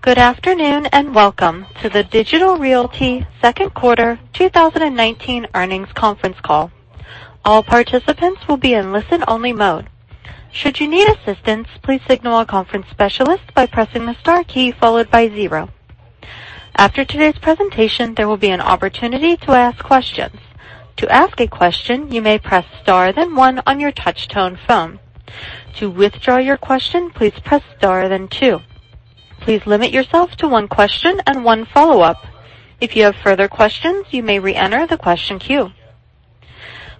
Good afternoon. Welcome to the Digital Realty second quarter 2019 earnings conference call. All participants will be in listen-only mode. Should you need assistance, please signal a conference specialist by pressing the star key followed by zero. After today's presentation, there will be an opportunity to ask questions. To ask a question, you may press star then one on your touch-tone phone. To withdraw your question, please press star then two. Please limit yourself to one question and one follow-up. If you have further questions, you may re-enter the question queue.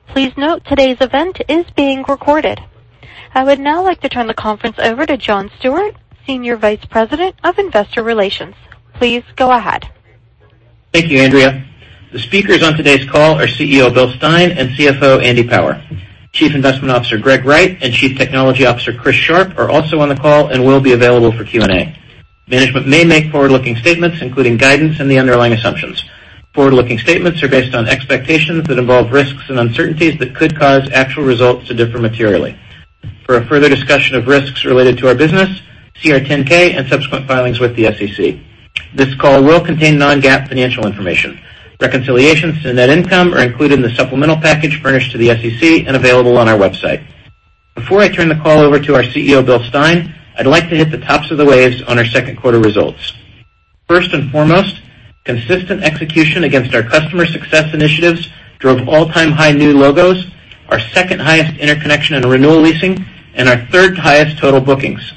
Please note today's event is being recorded. I would now like to turn the conference over to John Stewart, Senior Vice President of Investor Relations. Please go ahead. Thank you, Andrea. The speakers on today's call are CEO, Bill Stein, and CFO, Andy Power. Chief Investment Officer Greg Wright and Chief Technology Officer Chris Sharp are also on the call and will be available for Q&A. Management may make forward-looking statements, including guidance and the underlying assumptions. Forward-looking statements are based on expectations that involve risks and uncertainties that could cause actual results to differ materially. For a further discussion of risks related to our business, see our 10-K and subsequent filings with the SEC. This call will contain non-GAAP financial information. Reconciliations to net income are included in the supplemental package furnished to the SEC and available on our website. Before I turn the call over to our CEO, Bill Stein, I'd like to hit the tops of the waves on our second quarter results. First and foremost, consistent execution against our customer success initiatives drove all-time high new logos, our second highest interconnection and renewal leasing, and our third highest total bookings.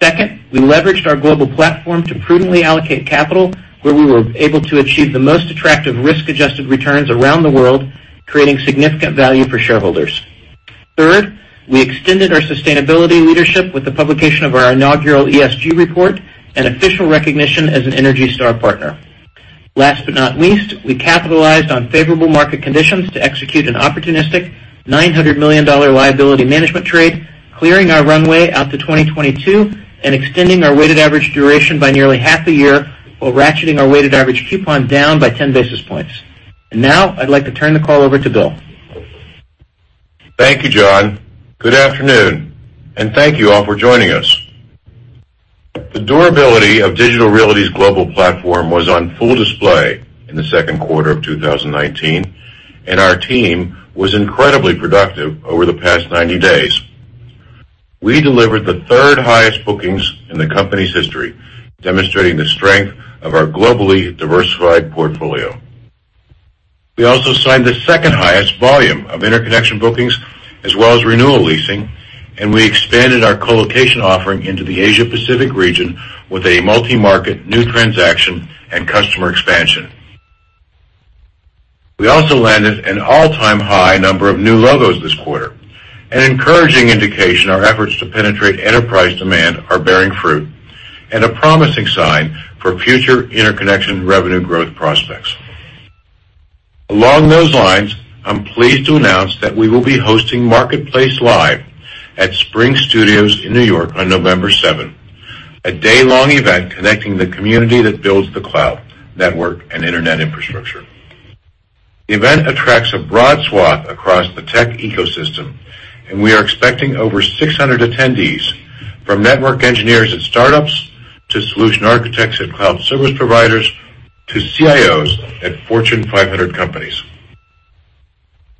Second, we leveraged our global platform to prudently allocate capital where we were able to achieve the most attractive risk-adjusted returns around the world, creating significant value for shareholders. Third, we extended our sustainability leadership with the publication of our inaugural ESG Report and official recognition as an ENERGY STAR Partner. Last but not least, we capitalized on favorable market conditions to execute an opportunistic $900 million liability management trade, clearing our runway out to 2022 and extending our weighted average duration by nearly half a year while ratcheting our weighted average coupon down by 10 basis points. Now I'd like to turn the call over to Bill. Thank you, John. Good afternoon. Thank you all for joining us. The durability of Digital Realty's global platform was on full display in the second quarter of 2019, and our team was incredibly productive over the past 90 days. We delivered the third highest bookings in the company's history, demonstrating the strength of our globally diversified portfolio. We also signed the second highest volume of interconnection bookings as well as renewal leasing, and we expanded our colocation offering into the Asia-Pacific region with a multi-market new transaction and customer expansion. We also landed an all-time high number of new logos this quarter. An encouraging indication our efforts to penetrate enterprise demand are bearing fruit and a promising sign for future interconnection revenue growth prospects. Along those lines, I'm pleased to announce that we will be hosting MarketplaceLIVE at Spring Studios in New York on November 7, a day-long event connecting the community that builds the cloud, network, and internet infrastructure. The event attracts a broad swath across the tech ecosystem, and we are expecting over 600 attendees from network engineers at startups to solution architects at cloud service providers to CIOs at Fortune 500 companies.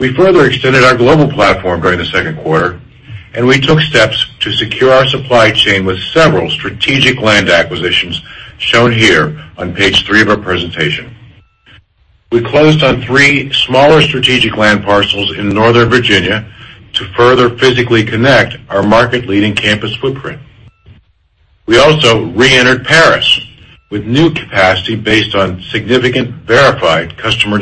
We further extended our global platform during the second quarter, and we took steps to secure our supply chain with several strategic land acquisitions shown here on page three of our presentation. We closed on three smaller strategic land parcels in Northern Virginia to further physically connect our market-leading campus footprint. We also reentered Paris with new capacity based on significant verified customer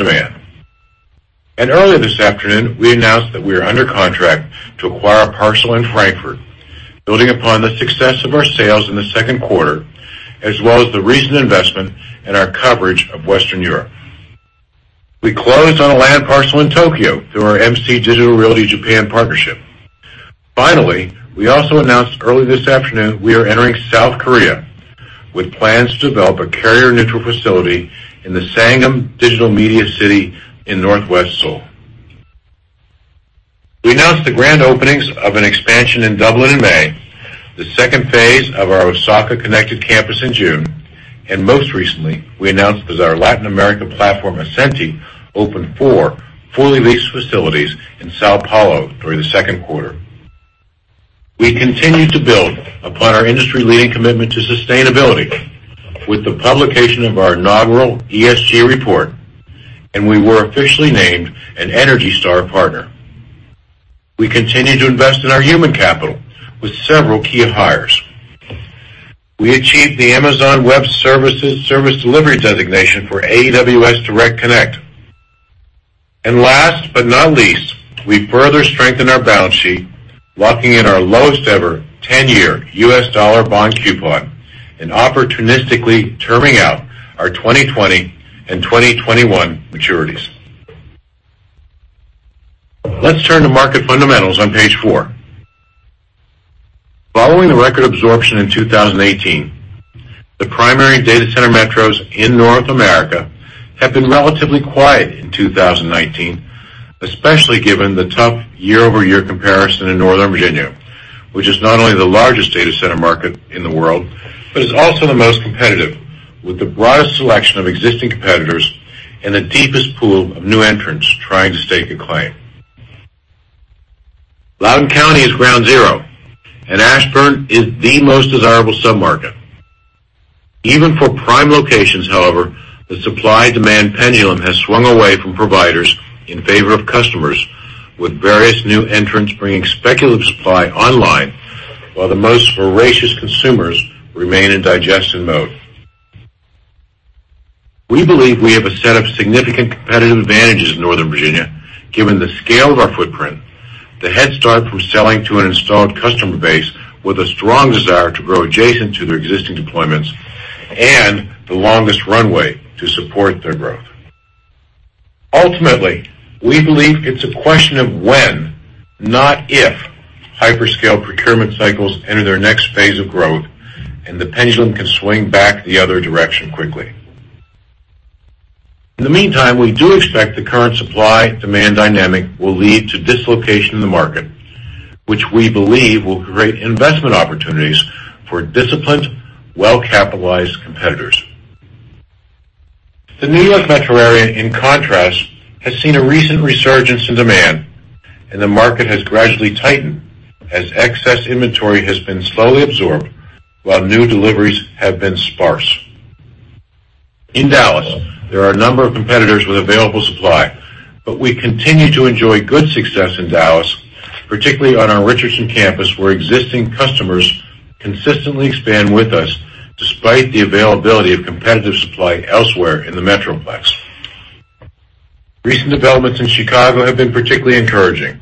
demand. Earlier this afternoon, we announced that we are under contract to acquire a parcel in Frankfurt, building upon the success of our sales in the second quarter as well as the recent investment in our coverage of Western Europe. We closed on a land parcel in Tokyo through our MC Digital Realty Japan partnership. Finally, we also announced early this afternoon we are entering South Korea with plans to develop a carrier-neutral facility in the Sangam Digital Media City in northwest Seoul. We announced the grand openings of an expansion in Dublin in May, the second phase of our Osaka Connected Campus in June, and most recently, we announced that our Latin America platform, Ascenty, opened four fully leased facilities in São Paulo during the second quarter. We continued to build upon our industry-leading commitment to sustainability with the publication of our inaugural ESG Report, and we were officially named an ENERGY STAR Partner. We continued to invest in our human capital with several key hires. We achieved the Amazon Web Services Service Delivery designation for AWS Direct Connect. Last but not least, we further strengthened our balance sheet, locking in our lowest-ever 10-year U.S. dollar bond coupon and opportunistically terming out our 2020 and 2021 maturities. Let's turn to market fundamentals on page four. Following the record absorption in 2018. The primary data center metros in North America have been relatively quiet in 2019, especially given the tough year-over-year comparison in Northern Virginia, which is not only the largest data center market in the world, but is also the most competitive, with the broadest selection of existing competitors and the deepest pool of new entrants trying to stake a claim. Loudoun County is ground zero, and Ashburn is the most desirable sub-market. Even for prime locations, however, the supply-demand pendulum has swung away from providers in favor of customers, with various new entrants bringing speculative supply online, while the most voracious consumers remain in digestion mode. We believe we have a set of significant competitive advantages in Northern Virginia, given the scale of our footprint, the head start from selling to an installed customer base with a strong desire to grow adjacent to their existing deployments, and the longest runway to support their growth. Ultimately, we believe it is a question of when, not if, hyperscale procurement cycles enter their next phase of growth, and the pendulum can swing back the other direction quickly. In the meantime, we do expect the current supply-demand dynamic will lead to dislocation in the market, which we believe will create investment opportunities for disciplined, well-capitalized competitors. The New York metro area, in contrast, has seen a recent resurgence in demand, and the market has gradually tightened as excess inventory has been slowly absorbed, while new deliveries have been sparse. In Dallas, there are a number of competitors with available supply, but we continue to enjoy good success in Dallas, particularly on our Richardson Campus, where existing customers consistently expand with us, despite the availability of competitive supply elsewhere in the metroplex. Recent developments in Chicago have been particularly encouraging.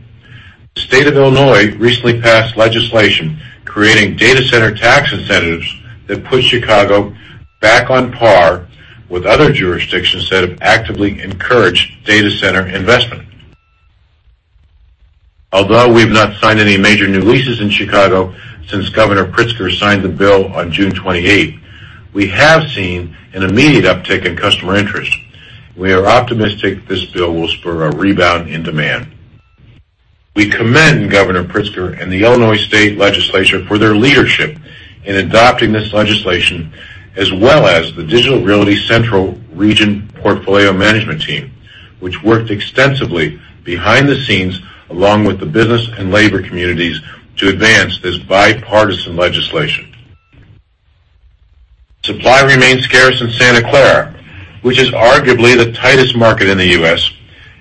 The State of Illinois recently passed legislation creating data center tax incentives that put Chicago back on par with other jurisdictions that have actively encouraged data center investment. Although we've not signed any major new leases in Chicago since Governor Pritzker signed the bill on June 28, we have seen an immediate uptick in customer interest. We are optimistic this bill will spur a rebound in demand. We commend Governor Pritzker and the Illinois state legislature for their leadership in adopting this legislation, as well as the Digital Realty Central Region Portfolio Management team, which worked extensively behind the scenes, along with the business and labor communities, to advance this bipartisan legislation. Supply remains scarce in Santa Clara, which is arguably the tightest market in the U.S.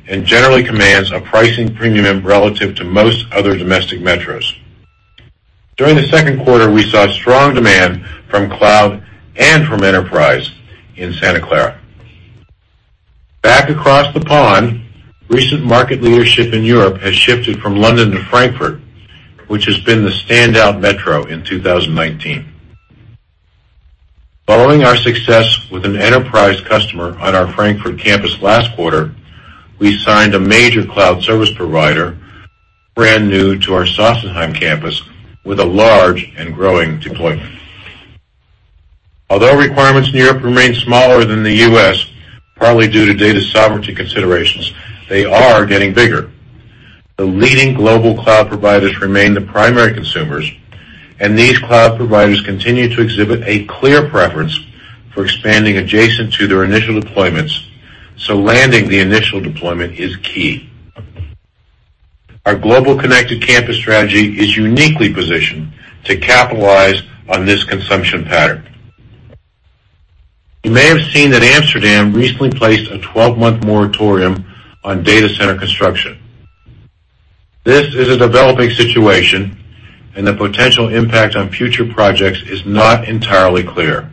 and generally commands a pricing premium relative to most other domestic metros. During the second quarter, we saw strong demand from cloud and from enterprise in Santa Clara. Back across the pond, recent market leadership in Europe has shifted from London to Frankfurt, which has been the standout metro in 2019. Following our success with an enterprise customer on our Frankfurt Campus last quarter, we signed a major cloud service provider, brand new to our Sossenheim Campus, with a large and growing deployment. Although requirements in Europe remain smaller than the U.S., probably due to data sovereignty considerations, they are getting bigger. The leading global cloud providers remain the primary consumers, and these cloud providers continue to exhibit a clear preference for expanding adjacent to their initial deployments, so landing the initial deployment is key. Our global Connected Campus strategy is uniquely positioned to capitalize on this consumption pattern. You may have seen that Amsterdam recently placed a 12-month moratorium on data center construction. This is a developing situation, and the potential impact on future projects is not entirely clear.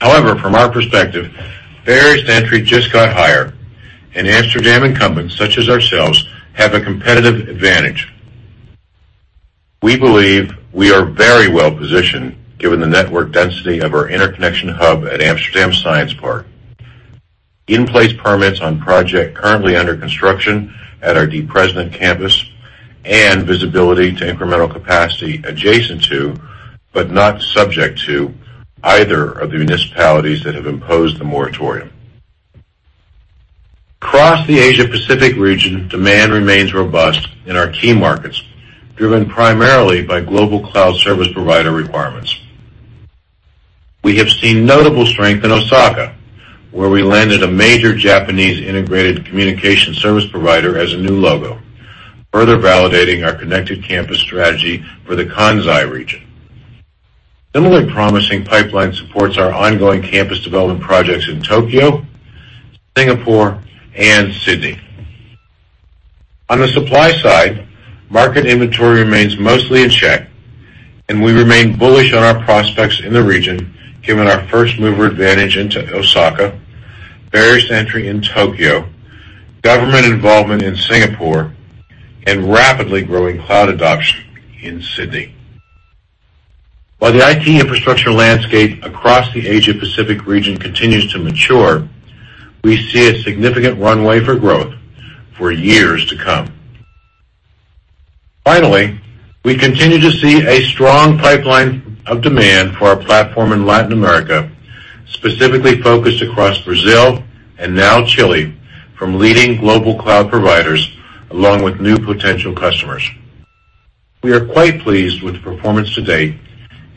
However, from our perspective, barriers to entry just got higher, and Amsterdam incumbents, such as ourselves, have a competitive advantage. We believe we are very well-positioned given the network density of our interconnection hub at Amsterdam Science Park. In-place permits on project currently under construction at our De President Campus, and visibility to incremental capacity adjacent to, but not subject to, either of the municipalities that have imposed the moratorium. Across the Asia Pacific region, demand remains robust in our key markets, driven primarily by global cloud service provider requirements. We have seen notable strength in Osaka, where we landed a major Japanese integrated communication service provider as a new logo, further validating our Connected Campus strategy for the Kansai region. Similarly promising pipeline supports our ongoing campus development projects in Tokyo, Singapore, and Sydney. On the supply side, market inventory remains mostly in check, and we remain bullish on our prospects in the region, given our first-mover advantage into Osaka, barriers to entry in Tokyo, government involvement in Singapore, and rapidly growing cloud adoption in Sydney. While the IT infrastructure landscape across the Asia Pacific region continues to mature, we see a significant runway for growth for years to come. Finally, we continue to see a strong pipeline of demand for our platform in Latin America, specifically focused across Brazil and now Chile, from leading global cloud providers, along with new potential customers. We are quite pleased with the performance to date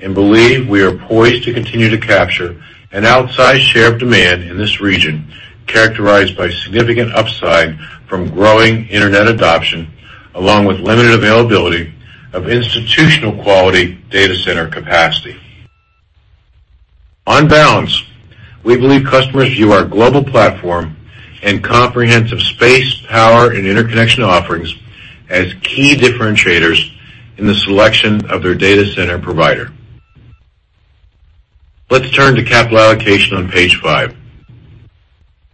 and believe we are poised to continue to capture an outsized share of demand in this region, characterized by significant upside from growing internet adoption, along with limited availability of institutional-quality data center capacity. On balance, we believe customers view our global platform and comprehensive space, power, and interconnection offerings as key differentiators in the selection of their data center provider. Let's turn to capital allocation on page five.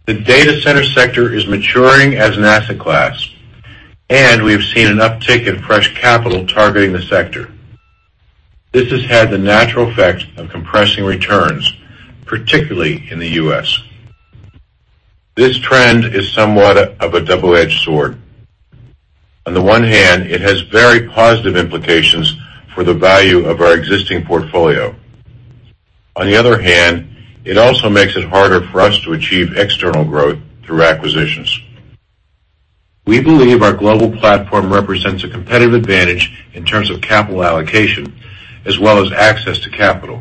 The data center sector is maturing as an asset class, and we have seen an uptick in fresh capital targeting the sector. This has had the natural effect of compressing returns, particularly in the U.S. This trend is somewhat of a double-edged sword. On the one hand, it has very positive implications for the value of our existing portfolio. On the other hand, it also makes it harder for us to achieve external growth through acquisitions. We believe our global platform represents a competitive advantage in terms of capital allocation, as well as access to capital.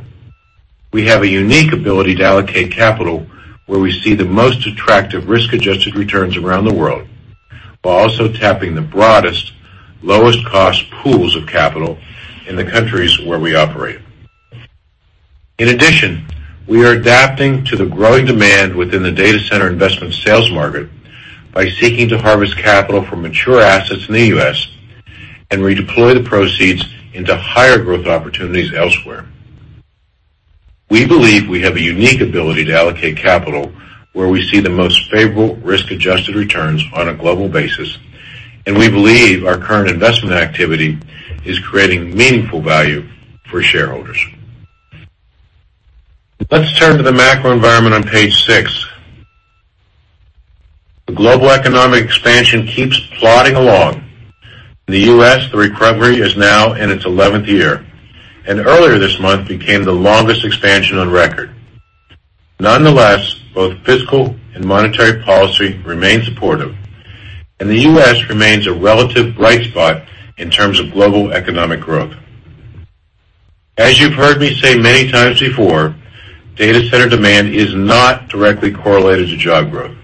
We have a unique ability to allocate capital where we see the most attractive risk-adjusted returns around the world, while also tapping the broadest, lowest cost pools of capital in the countries where we operate. In addition, we are adapting to the growing demand within the data center investment sales market by seeking to harvest capital from mature assets in the U.S. and redeploy the proceeds into higher growth opportunities elsewhere. We believe we have a unique ability to allocate capital where we see the most favorable risk-adjusted returns on a global basis, and we believe our current investment activity is creating meaningful value for shareholders. Let's turn to the macro environment on page six. The global economic expansion keeps plodding along. In the U.S., the recovery is now in its 11th year, and earlier this month became the longest expansion on record. Nonetheless, both fiscal and monetary policy remain supportive, and the U.S. remains a relative bright spot in terms of global economic growth. As you've heard me say many times before, data center demand is not directly correlated to job growth.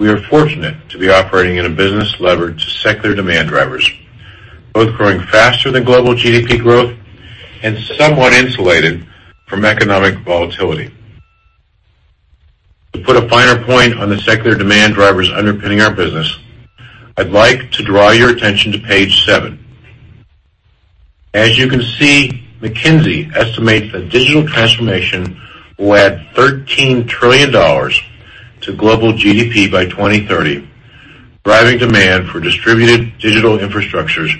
We are fortunate to be operating in a business levered to secular demand drivers, both growing faster than global GDP growth and somewhat insulated from economic volatility. To put a finer point on the secular demand drivers underpinning our business, I'd like to draw your attention to page seven. As you can see, McKinsey estimates that digital transformation will add $13 trillion to global GDP by 2030, driving demand for distributed digital infrastructures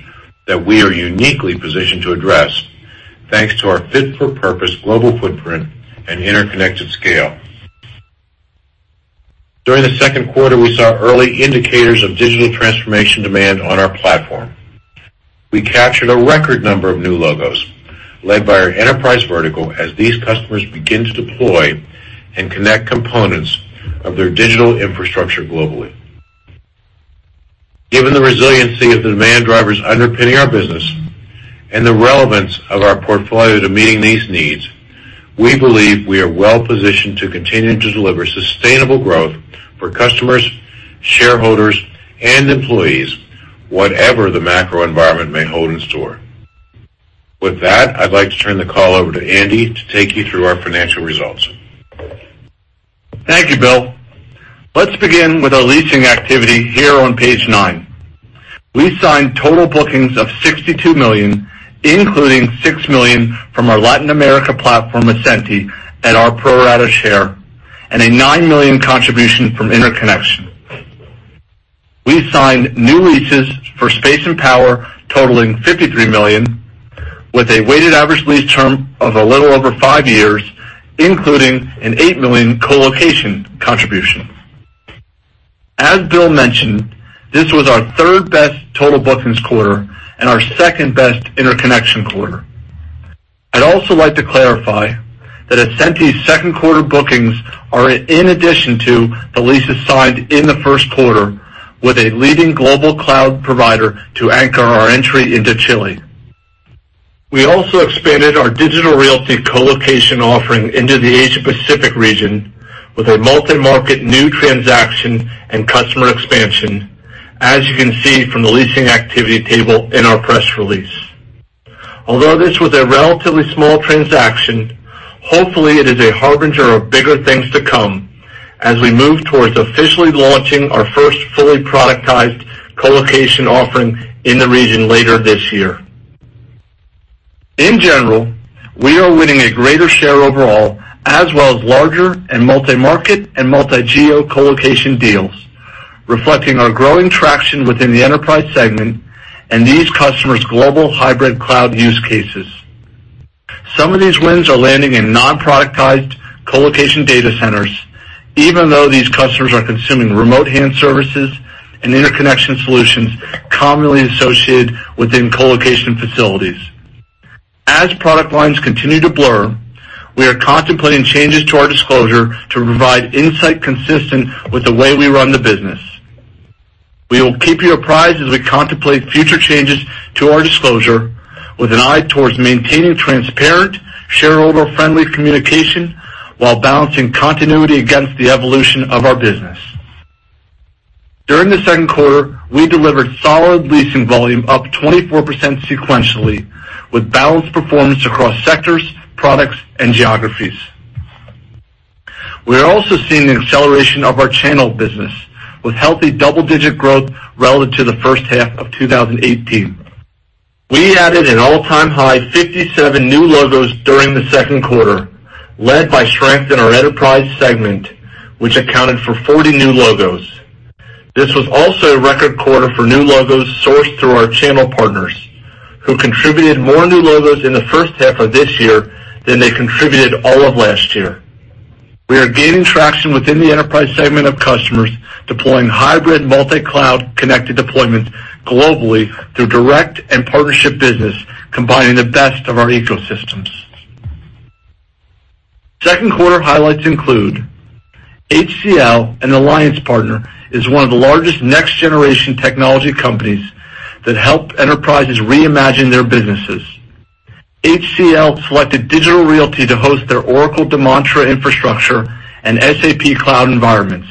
that we are uniquely positioned to address, thanks to our fit-for-purpose global footprint and interconnected scale. During the second quarter, we saw early indicators of digital transformation demand on our platform. We captured a record number of new logos, led by our enterprise vertical, as these customers begin to deploy and connect components of their digital infrastructure globally. Given the resiliency of the demand drivers underpinning our business and the relevance of our portfolio to meeting these needs, we believe we are well positioned to continue to deliver sustainable growth for customers, shareholders, and employees, whatever the macro environment may hold in store. With that, I'd like to turn the call over to Andy to take you through our financial results. Thank you, Bill. Let's begin with our leasing activity here on page nine. We signed total bookings of $62 million, including $6 million from our Latin America platform, Ascenty, at our pro rata share, and a $9 million contribution from interconnection. We signed new leases for space and power totaling $53 million, with a weighted average lease term of a little over five years, including an $8 million colocation contribution. As Bill mentioned, this was our third best total bookings quarter and our second best interconnection quarter. I'd also like to clarify that Ascenty's second quarter bookings are in addition to the leases signed in the first quarter with a leading global cloud provider to anchor our entry into Chile. We also expanded our Digital Realty colocation offering into the Asia Pacific region with a multi-market new transaction and customer expansion, as you can see from the leasing activity table in our press release. Although this was a relatively small transaction, hopefully, it is a harbinger of bigger things to come as we move towards officially launching our first fully productized colocation offering in the region later this year. In general, we are winning a greater share overall, as well as larger and multi-market and multi-geo colocation deals, reflecting our growing traction within the enterprise segment and these customers' global hybrid cloud use cases. Some of these wins are landing in non-productized colocation data centers, even though these customers are consuming remote hand services and interconnection solutions commonly associated within colocation facilities. As product lines continue to blur, we are contemplating changes to our disclosure to provide insight consistent with the way we run the business. We will keep you apprised as we contemplate future changes to our disclosure with an eye towards maintaining transparent, shareholder-friendly communication while balancing continuity against the evolution of our business. During the second quarter, we delivered solid leasing volume up 24% sequentially, with balanced performance across sectors, products, and geographies. We are also seeing the acceleration of our channel business with healthy double-digit growth relative to the first half of 2018. We added an all-time high 57 new logos during the second quarter, led by strength in our enterprise segment, which accounted for 40 new logos. This was also a record quarter for new logos sourced through our channel partners, who contributed more new logos in the first half of this year than they contributed all of last year. We are gaining traction within the enterprise segment of customers deploying hybrid multi-cloud connected deployments globally through direct and partnership business, combining the best of our ecosystems. Second quarter highlights include HCL, an alliance partner, is one of the largest next-generation technology companies that help enterprises reimagine their businesses. HCL selected Digital Realty to host their Oracle Demantra infrastructure and SAP Cloud environments.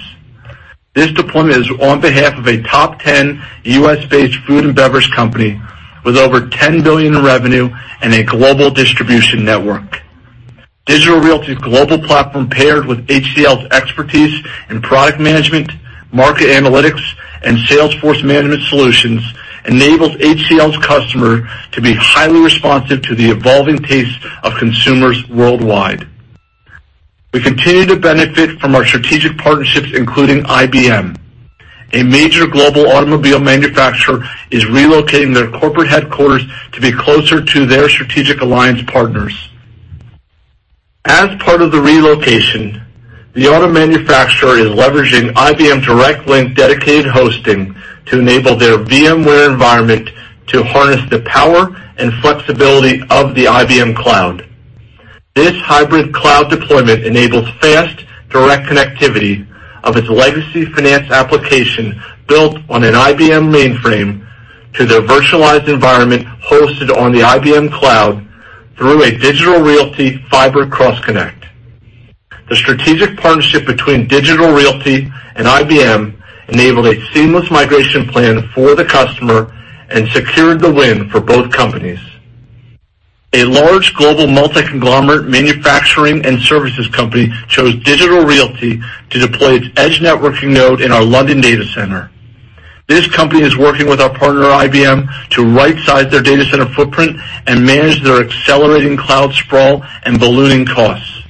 This deployment is on behalf of a top 10 U.S.-based food and beverage company with over $10 billion in revenue and a global distribution network. Digital Realty's global platform, paired with HCL's expertise in product management, market analytics, and sales force management solutions, enables HCL's customer to be highly responsive to the evolving tastes of consumers worldwide. We continue to benefit from our strategic partnerships, including IBM. A major global automobile manufacturer is relocating their corporate headquarters to be closer to their strategic alliance partners. As part of the relocation, the auto manufacturer is leveraging IBM Direct Link Dedicated Hosting to enable their VMware environment to harness the power and flexibility of the IBM Cloud. This hybrid cloud deployment enables fast, direct connectivity of its legacy finance application built on an IBM mainframe to their virtualized environment hosted on the IBM Cloud through a Digital Realty fiber Cross Connect. The strategic partnership between Digital Realty and IBM enabled a seamless migration plan for the customer and secured the win for both companies. A large global multi-conglomerate manufacturing and services company chose Digital Realty to deploy its edge networking node in our London data center. This company is working with our partner, IBM, to right-size their data center footprint and manage their accelerating cloud sprawl and ballooning costs.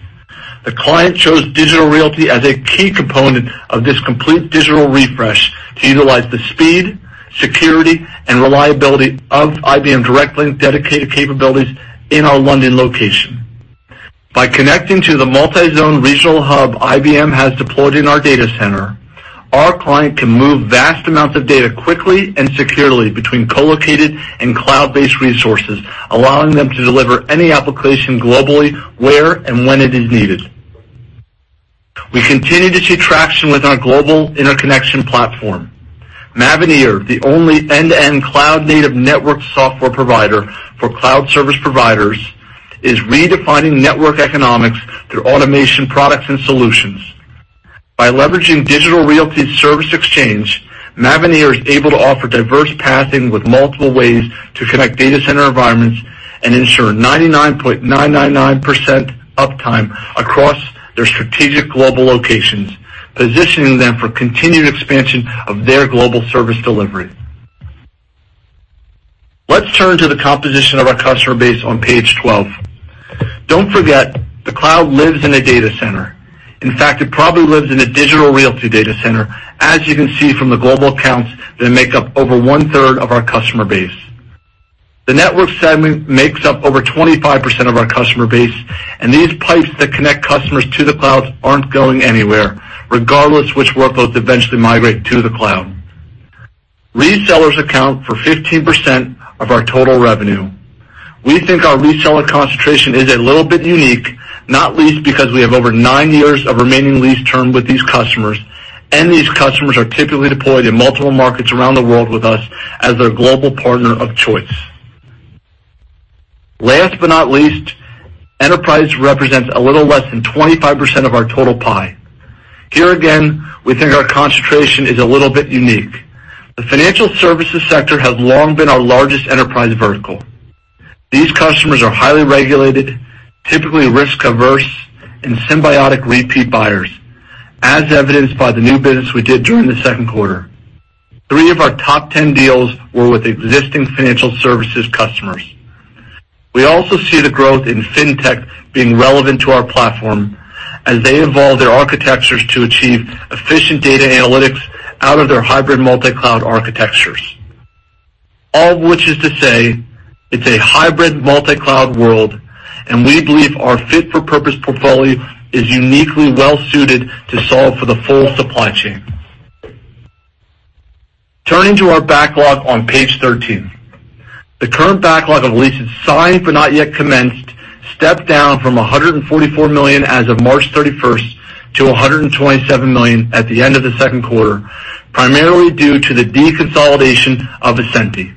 The client chose Digital Realty as a key component of this complete digital refresh to utilize the speed, security, and reliability of IBM Direct Link Dedicated Hosting capabilities in our London location. By connecting to the multi-zone regional hub IBM has deployed in our data center, our client can move vast amounts of data quickly and securely between co-located and cloud-based resources, allowing them to deliver any application globally, where and when it is needed. We continue to see traction with our global interconnection platform. Mavenir, the only end-to-end cloud-native network software provider for cloud service providers, is redefining network economics through automation products and solutions. By leveraging Digital Realty's Service Exchange, Mavenir is able to offer diverse pathing with multiple ways to connect data center environments and ensure 99.999% uptime across their strategic global locations, positioning them for continued expansion of their global service delivery. Let's turn to the composition of our customer base on page 12. Don't forget, the cloud lives in a data center. In fact, it probably lives in a Digital Realty data center, as you can see from the global accounts that make up over 33.3% of our customer base. The network segment makes up over 25% of our customer base, and these pipes that connect customers to the cloud aren't going anywhere, regardless which workloads eventually migrate to the cloud. Resellers account for 15% of our total revenue. We think our reseller concentration is a little bit unique, not least because we have over nine years of remaining lease term with these customers, and these customers are typically deployed in multiple markets around the world with us as their global partner of choice. Last but not least, enterprise represents a little less than 25% of our total pie. Here again, we think our concentration is a little bit unique. The financial services sector has long been our largest enterprise vertical. These customers are highly regulated, typically risk-averse, and symbiotic repeat buyers, as evidenced by the new business we did during the second quarter. Three of our top 10 deals were with existing financial services customers. We also see the growth in fintech being relevant to our platform as they evolve their architectures to achieve efficient data analytics out of their hybrid multi-cloud architectures. All of which is to say it's a hybrid multi-cloud world, and we believe our fit-for-purpose portfolio is uniquely well-suited to solve for the full supply chain. Turning to our backlog on page 13. The current backlog of leases signed but not yet commenced stepped down from $144 million as of March 31st to $127 million at the end of the second quarter, primarily due to the deconsolidation of Ascenty.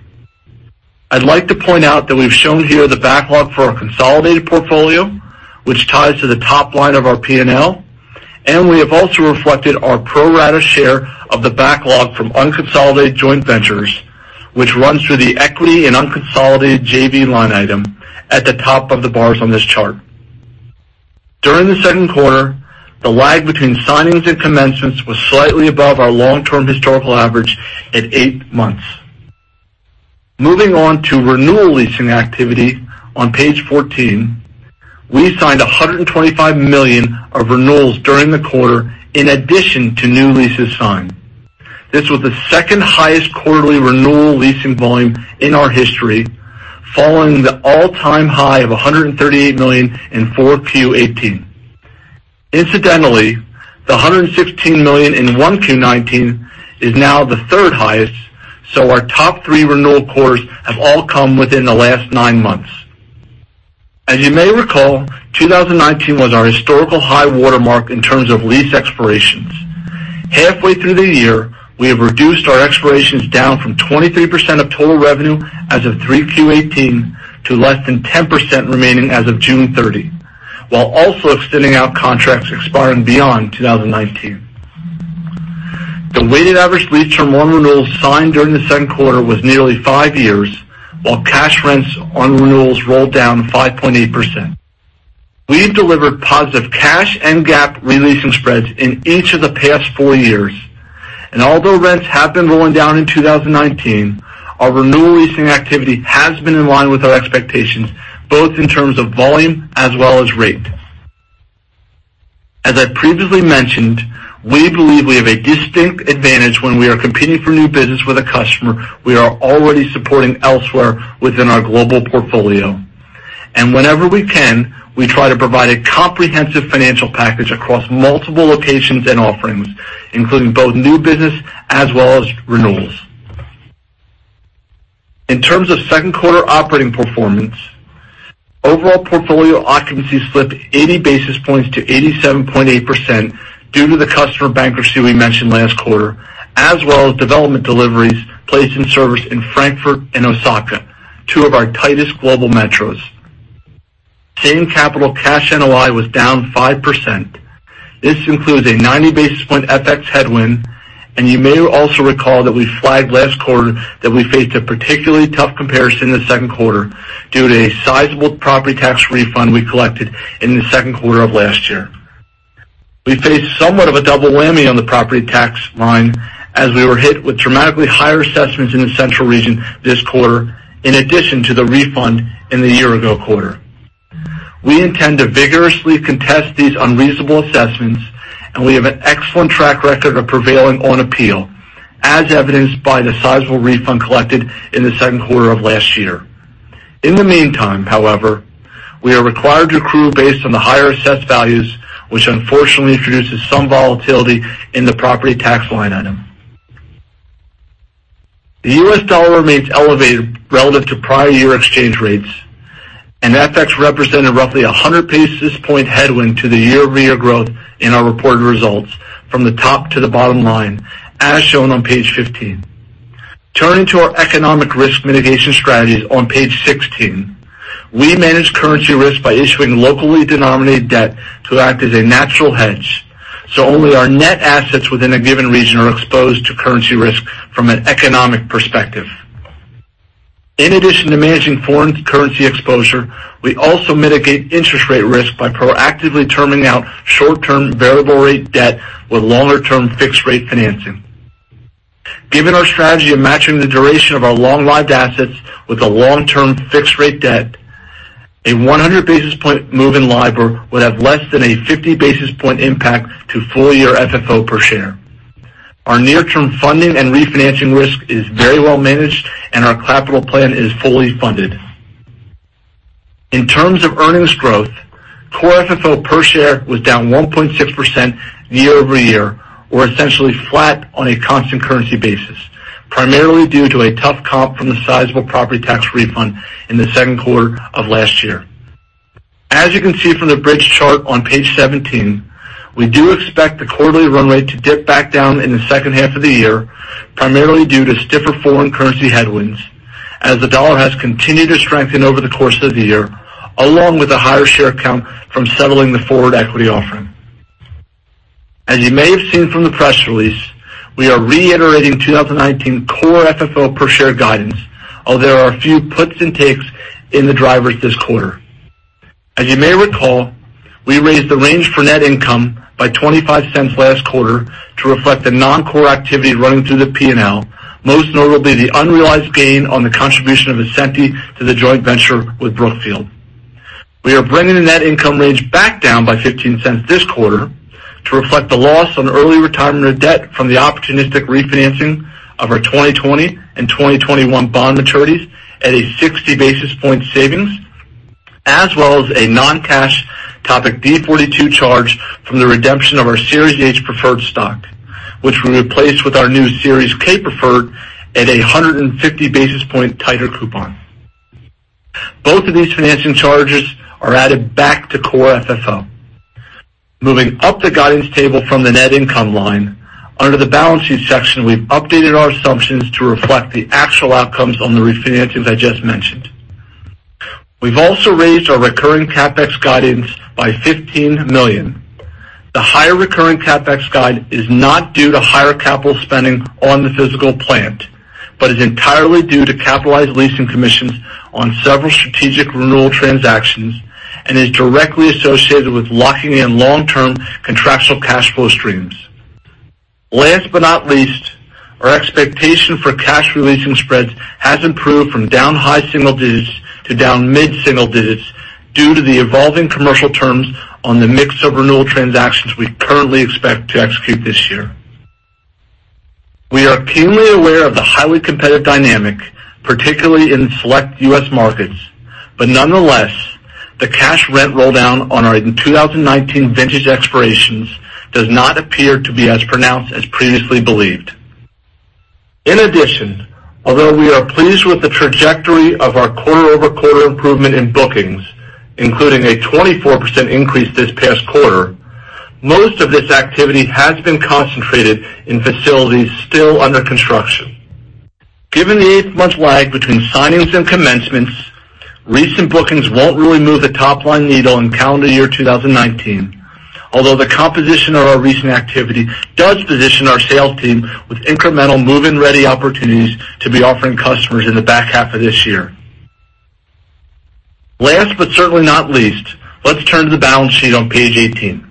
I'd like to point out that we've shown here the backlog for our consolidated portfolio, which ties to the top line of our P&L, and we have also reflected our pro-rata share of the backlog from unconsolidated joint ventures, which runs through the equity and unconsolidated JV line item at the top of the bars on this chart. During the second quarter, the lag between signings and commencements was slightly above our long-term historical average at eight months. Moving on to renewal leasing activity on page 14. We signed $125 million of renewals during the quarter in addition to new leases signed. This was the second-highest quarterly renewal leasing volume in our history, following the all-time high of $138 million in 4Q, 2018. Incidentally, the $116 million in 1Q, 2019 is now the third highest, so our top three renewal quarters have all come within the last nine months. As you may recall, 2019 was our historical high-water mark in terms of lease expirations. Halfway through the year, we have reduced our expirations down from 23% of total revenue as of 3Q, 2018, to less than 10% remaining as of June 30, while also extending out contracts expiring beyond 2019. The weighted average lease term on renewals signed during the second quarter was nearly five years, while cash rents on renewals rolled down 5.8%. We've delivered positive cash and GAAP releasing spreads in each of the past four years, and although rents have been rolling down in 2019, our renewal leasing activity has been in line with our expectations, both in terms of volume as well as rate. As I previously mentioned, we believe we have a distinct advantage when we are competing for new business with a customer we are already supporting elsewhere within our global portfolio. Whenever we can, we try to provide a comprehensive financial package across multiple locations and offerings, including both new business as well as renewals. In terms of second quarter operating performance, overall portfolio occupancy slipped 80 basis points to 87.8% due to the customer bankruptcy we mentioned last quarter, as well as development deliveries placed in service in Frankfurt and Osaka, two of our tightest global metros. Same capital cash NOI was down 5%. This includes a 90 basis point FX headwind, and you may also recall that we flagged last quarter that we faced a particularly tough comparison in the second quarter due to a sizable property tax refund we collected in the second quarter of last year. We faced somewhat of a double whammy on the property tax line as we were hit with dramatically higher assessments in the central region this quarter, in addition to the refund in the year-ago quarter. We intend to vigorously contest these unreasonable assessments. We have an excellent track record of prevailing on appeal, as evidenced by the sizable refund collected in the second quarter of last year. In the meantime, however, we are required to accrue based on the higher assessed values, which unfortunately introduces some volatility in the property tax line item. The U.S. dollar remains elevated relative to prior year exchange rates. FX represented roughly 100 basis point headwind to the year-over-year growth in our reported results from the top to the bottom line, as shown on page 15. Turning to our economic risk mitigation strategies on page 16. We manage currency risk by issuing locally denominated debt to act as a natural hedge, so only our net assets within a given region are exposed to currency risk from an economic perspective. In addition to managing foreign currency exposure, we also mitigate interest rate risk by proactively terming out short-term variable rate debt with longer-term fixed rate financing. Given our strategy of matching the duration of our long-lived assets with a long-term fixed rate debt, a 100 basis point move in LIBOR would have less than a 50 basis point impact to full-year FFO per share. Our near-term funding and refinancing risk is very well managed, and our capital plan is fully funded. In terms of earnings growth, core FFO per share was down 1.6% year-over-year, or essentially flat on a constant currency basis, primarily due to a tough comp from the sizable property tax refund in the second quarter of last year. As you can see from the bridge chart on page 17, we do expect the quarterly run rate to dip back down in the second half of the year, primarily due to stiffer foreign currency headwinds, as the dollar has continued to strengthen over the course of the year, along with a higher share count from settling the forward equity offering. As you may have seen from the press release, we are reiterating 2019 core FFO per share guidance, although there are a few puts and takes in the drivers this quarter. As you may recall, we raised the range for net income by $0.25 last quarter to reflect the non-core activity running through the P&L, most notably the unrealized gain on the contribution of Ascenty to the joint venture with Brookfield. We are bringing the net income range back down by $0.15 this quarter to reflect the loss on early retirement of debt from the opportunistic refinancing of our 2020 and 2021 bond maturities at a 60 basis point savings, as well as a non-cash Topic D-42 charge from the redemption of our Series H Preferred Stock, which we replaced with our new Series K Preferred at 150 basis point tighter coupon. Both of these financing charges are added back to core FFO. Moving up the guidance table from the net income line, under the balance sheet section, we've updated our assumptions to reflect the actual outcomes on the refinancings I just mentioned. We've also raised our recurring CapEx guidance by $15 million. The higher recurring CapEx guide is not due to higher capital spending on the physical plant, but is entirely due to capitalized leasing commissions on several strategic renewal transactions and is directly associated with locking in long-term contractual cash flow streams. Last but not least, our expectation for cash releasing spreads has improved from down high single digits to down mid-single digits due to the evolving commercial terms on the mix of renewal transactions we currently expect to execute this year. We are keenly aware of the highly competitive dynamic, particularly in select U.S. markets, but nonetheless, the cash rent roll down on our 2019 vintage expirations does not appear to be as pronounced as previously believed. In addition, although we are pleased with the trajectory of our quarter-over-quarter improvement in bookings, including a 24% increase this past quarter, most of this activity has been concentrated in facilities still under construction. Given the eight-month lag between signings and commencements, recent bookings won't really move the top-line needle in calendar year 2019, although the composition of our recent activity does position our sales team with incremental move-in-ready opportunities to be offering customers in the back half of this year. Last but certainly not least, let's turn to the balance sheet on page 18.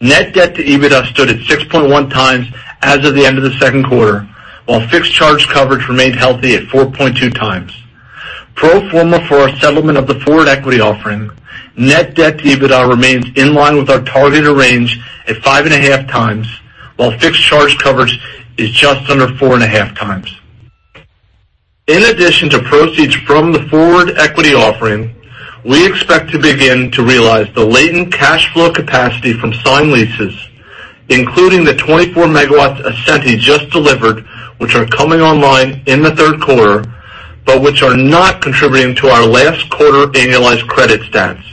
Net debt to EBITDA stood at 6.1x as of the end of the second quarter, while fixed charge coverage remained healthy at 4.2x. Pro forma for our settlement of the forward equity offering, net debt to EBITDA remains in line with our targeted range at 5.5x, while fixed charge coverage is just under 4.5x. In addition to proceeds from the forward equity offering, we expect to begin to realize the latent cash flow capacity from signed leases, including the 24 MW Ascenty just delivered, which are coming online in the third quarter, but which are not contributing to our last quarter's annualized credit stats.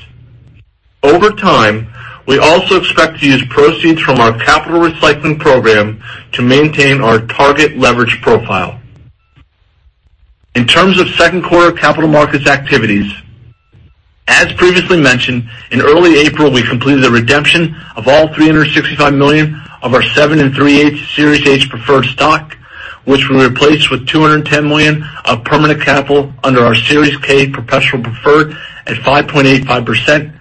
Over time, we also expect to use proceeds from our capital recycling program to maintain our target leverage profile. In terms of second quarter capital markets activities, as previously mentioned, in early April, we completed the redemption of all $365 million of our 7.375% Series H Preferred Stock, which we replaced with $210 million of permanent capital under our Series K Cumulative Redeemable Preferred at 5.850%,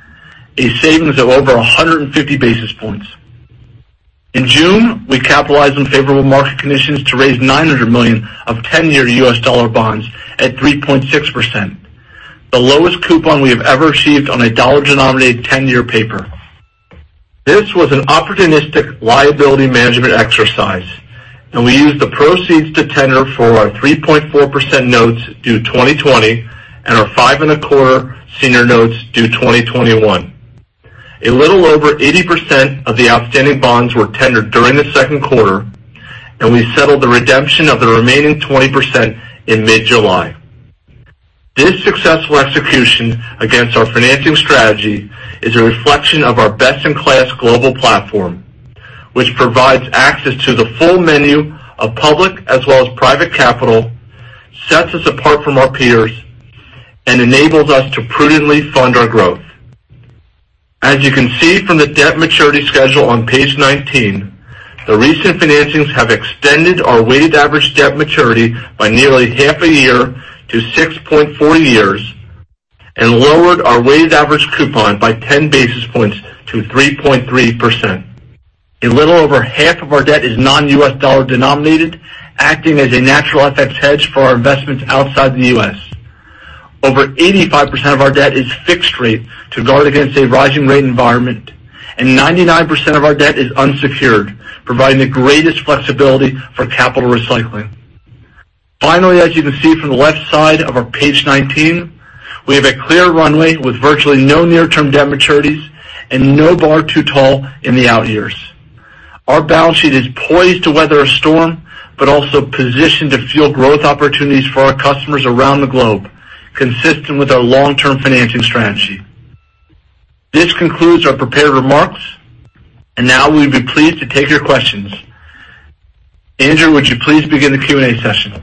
a savings of over 150 basis points. In June, we capitalized on favorable market conditions to raise $900 million of 10-year U.S. dollar bonds at 3.6%, the lowest coupon we have ever achieved on a dollar-denominated 10-year paper. This was an opportunistic liability management exercise. We used the proceeds to tender for our 3.4% notes due 2020 and our 5.25% senior notes due 2021. A little over 80% of the outstanding bonds were tendered during the second quarter. We settled the redemption of the remaining 20% in mid-July. This successful execution against our financing strategy is a reflection of our best-in-class global platform, which provides access to the full menu of public as well as private capital, sets us apart from our peers, and enables us to prudently fund our growth. As you can see from the debt maturity schedule on page 19, the recent financings have extended our weighted average debt maturity by nearly half a year to 6.4 years and lowered our weighted average coupon by 10 basis points to 3.3%. A little over 50% of our debt is non-U.S. dollar-denominated, acting as a natural FX hedge for our investments outside the U.S. Over 85% of our debt is fixed-rate to guard against a rising rate environment, and 99% of our debt is unsecured, providing the greatest flexibility for capital recycling. Finally, as you can see from the left side of our page 19, we have a clear runway with virtually no near-term debt maturities and no bar too tall in the out years. Our balance sheet is poised to weather a storm, but also positioned to fuel growth opportunities for our customers around the globe, consistent with our long-term financing strategy. This concludes our prepared remarks. And now we'd be pleased to take your questions. Andrea, would you please begin the Q&A session?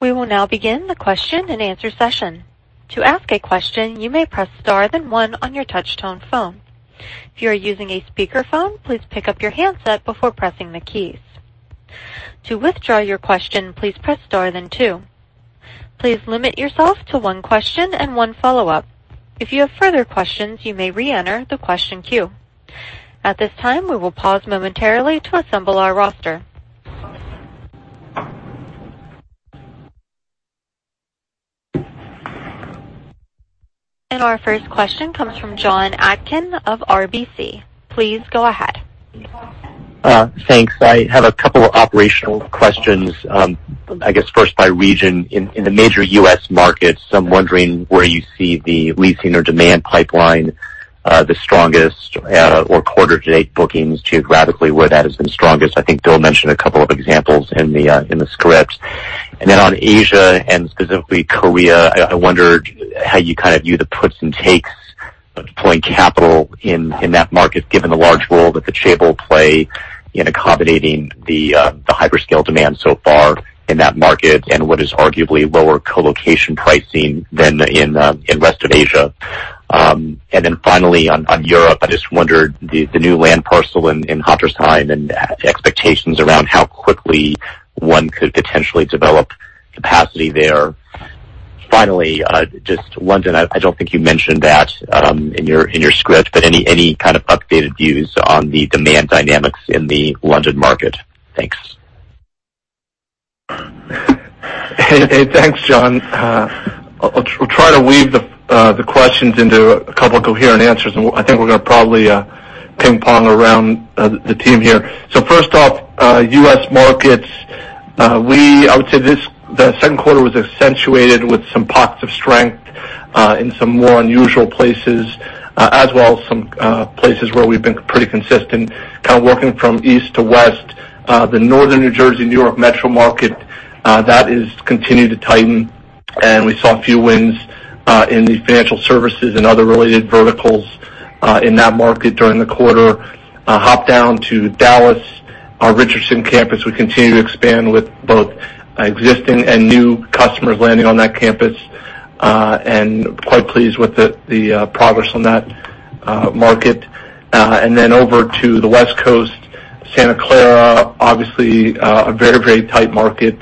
We will now begin the question and answer session. To ask a question, you may press star then one on your touch-tone phone. If you are using a speakerphone, please pick up your handset before pressing the keys. To withdraw your question, please press star then two. Please limit yourself to one question and one follow-up. If you have further questions, you may reenter the question queue. At this time, we will pause momentarily to assemble our roster. Our first question comes from Jon Atkin of RBC. Please go ahead. Thanks. I have a couple of operational questions. I guess first, by region, in the major U.S. markets, I'm wondering where you see the leasing or demand pipeline the strongest, or quarter-to-date bookings geographically, where that has been strongest. I think Bill mentioned a couple of examples in the script. On Asia, and specifically Korea, I wondered how you view the puts and takes of deploying capital in that market, given the large role that the chaebol play in accommodating the hyperscale demand so far in that market, and what is arguably lower colocation pricing than in Rest of Asia. Finally, on Europe, I just wondered, the new land parcel in Hattersheim and expectations around how quickly one could potentially develop capacity there. Finally, just London. I don't think you mentioned that in your script, but any kind of updated views on the demand dynamics in the London market? Thanks. Hey, thanks, Jon. I'll try to weave the questions into a couple of coherent answers. I think we're going to probably ping pong around the team here. First off, U.S. markets. I would say the second quarter was accentuated with some pockets of strength in some more unusual places, as well as some places where we've been pretty consistent. Kind of working from east to west, the northern New Jersey, New York metro market, that has continued to tighten. We saw a few wins in the financial services and other related verticals in that market during the quarter. Hop down to Dallas, our Richardson Campus, we continue to expand with both existing and new customers landing on that campus. Quite pleased with the progress on that market. Over to the West Coast, Santa Clara, obviously a very tight market.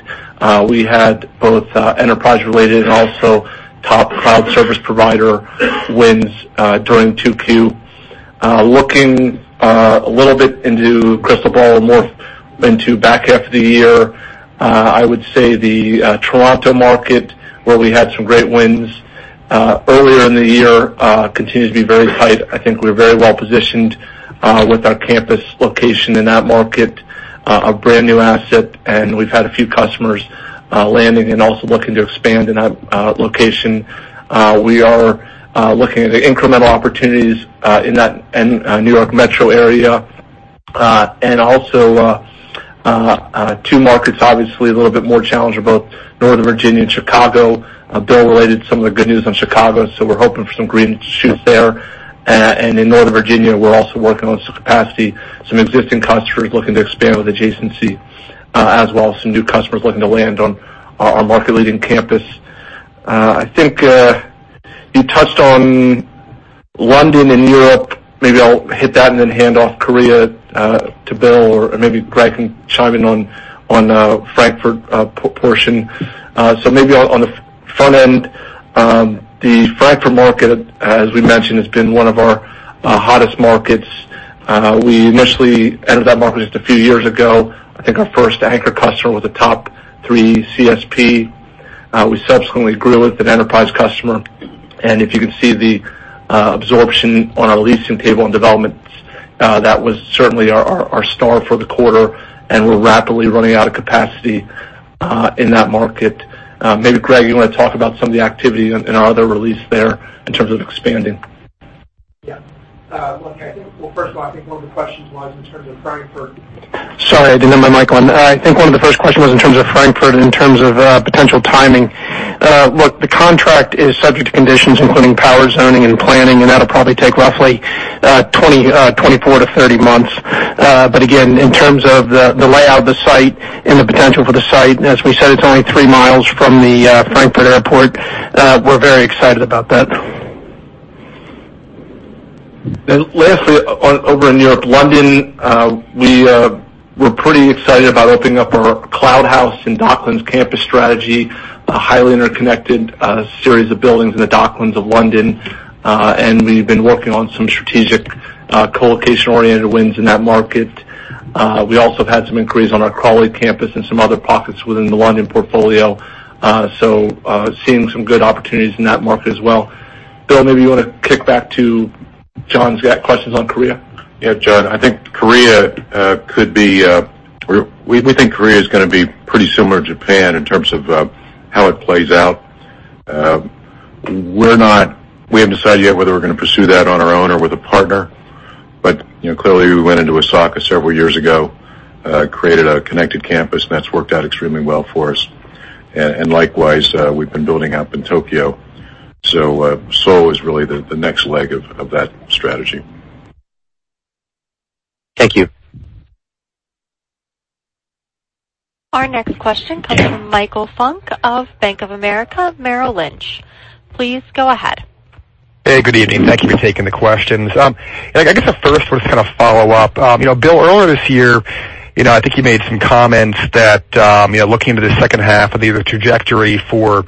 We had both enterprise-related and also top cloud service provider wins during 2Q. Looking a little bit into crystal ball, more into back half of the year, I would say the Toronto market, where we had some great wins earlier in the year, continues to be very tight. I think we're very well positioned with our campus location in that market, a brand new asset, and we've had a few customers landing and also looking to expand in that location. We are looking at incremental opportunities in that and New York metro area. Two markets obviously a little bit more challenged, are both Northern Virginia and Chicago. Bill related some of the good news on Chicago, so we're hoping for some green shoots there. In Northern Virginia, we're also working on some capacity, some existing customers looking to expand with adjacency, as well as some new customers looking to land on our market-leading campus. I think you touched on London and Europe. Maybe I'll hit that and then hand off Korea to Bill, or maybe Greg can chime in on Frankfurt portion. Maybe on the front end, the Frankfurt market, as we mentioned, has been one of our hottest markets. We initially entered that market just a few years ago. I think our first anchor customer was a top-three CSP. We subsequently grew it with an enterprise customer. If you can see the absorption on our leasing table and developments, that was certainly our star for the quarter, and we're rapidly running out of capacity in that market. Maybe Greg, you want to talk about some of the activity in our other release there in terms of expanding. Yeah. Look, I think, well, first of all, I think one of the questions was in terms of Frankfurt. Sorry, I didn't have my mic on. I think one of the first questions was in terms of Frankfurt, in terms of potential timing. Look, the contract is subject to conditions, including power zoning and planning. That'll probably take roughly 24-30 months. Again, in terms of the layout of the site and the potential for the site, as we said, it's only 3 mi from the Frankfurt Airport. We're very excited about that. Lastly, over in Europe, London, we're pretty excited about opening up our Cloud House and Docklands Campus strategy, a highly interconnected series of buildings in the Docklands of London. We've been working on some strategic colocation-oriented wins in that market. We also have had some inquiries on our Crawley Campus and some other pockets within the London portfolio. Seeing some good opportunities in that market as well. Bill, maybe you want to kick back to Jon's questions on Korea. Yeah, Jon, we think Korea is going to be pretty similar to Japan in terms of how it plays out. We haven't decided yet whether we're going to pursue that on our own or with a partner. Clearly, we went into Osaka several years ago, created a Connected Campus, and that's worked out extremely well for us. Likewise, we've been building up in Tokyo. Seoul is really the next leg of that strategy. Thank you. Our next question comes from Michael Funk of Bank of America Merrill Lynch. Please go ahead. Hey, good evening. Thank you for taking the questions. I guess the first one is kind of follow up. Bill, earlier this year, I think you made some comments that, looking to the second half of the year, the trajectory for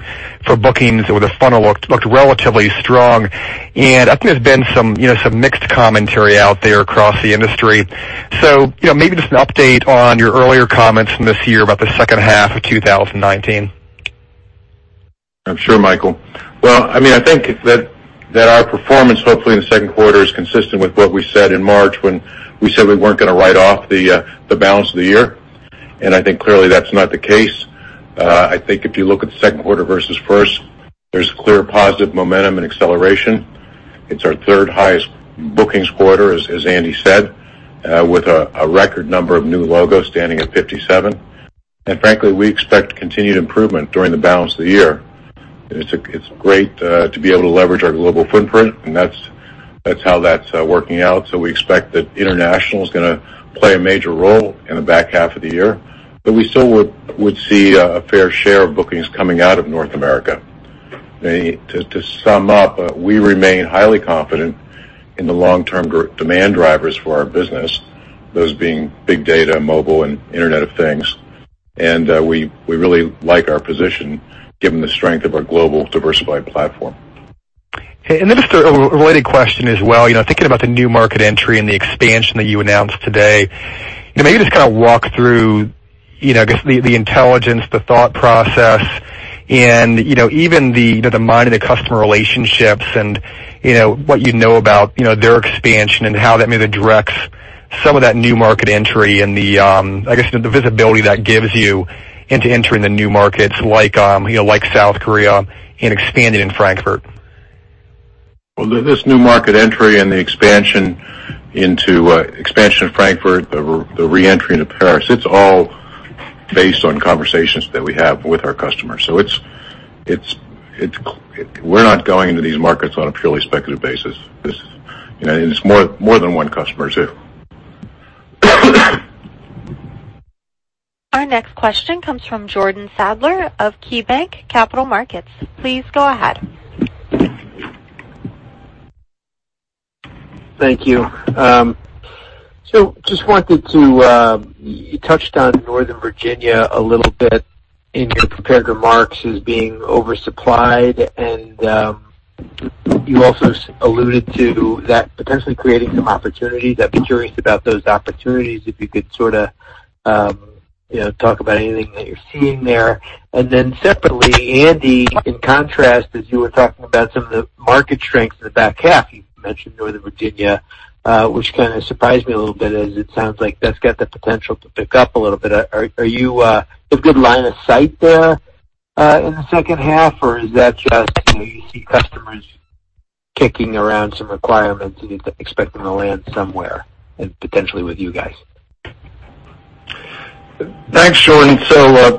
bookings or the funnel looked relatively strong. I think there's been some mixed commentary out there across the industry. Maybe just an update on your earlier comments from this year about the second half of 2019. I'm sure, Michael. Well, I think that our performance, hopefully, in the second quarter is consistent with what we said in March when we said we weren't going to write off the balance of the year. I think clearly that's not the case. I think if you look at the second quarter versus first, there's clear positive momentum and acceleration. It's our third highest bookings quarter, as Andy said, with a record number of new logos standing at 57. Frankly, we expect continued improvement during the balance of the year. It's great to be able to leverage our global footprint, and that's how that's working out. We expect that international is going to play a major role in the back half of the year. We still would see a fair share of bookings coming out of North America. To sum up, we remain highly confident in the long-term demand drivers for our business, those being big data, mobile, and Internet of Things. We really like our position given the strength of our global diversified platform. Hey, just a related question as well. Thinking about the new market entry and the expansion that you announced today. Maybe just walk through, I guess, the intelligence, the thought process, and even the mind of the customer relationships and what you know about their expansion and how that maybe directs some of that new market entry and the visibility that gives you into entering the new markets like South Korea and expanding in Frankfurt? Well, this new market entry and the expansion into Frankfurt, the re-entry into Paris, it's all based on conversations that we have with our customers. We're not going into these markets on a purely speculative basis. It's more than one customer, too. Our next question comes from Jordan Sadler of KeyBanc Capital Markets. Please go ahead. Thank you. You touched on Northern Virginia a little bit in your prepared remarks as being oversupplied, and you also alluded to that potentially creating some opportunities. I'd be curious about those opportunities, if you could sort of talk about anything that you're seeing there. Separately, Andy, in contrast, as you were talking about some of the market strengths in the back half, you mentioned Northern Virginia, which kind of surprised me a little bit as it sounds like that's got the potential to pick up a little bit. There's good line of sight there in the second half, or is that just, you see customers kicking around some requirements and you expect them to land somewhere and potentially with you guys? Thanks, Jordan.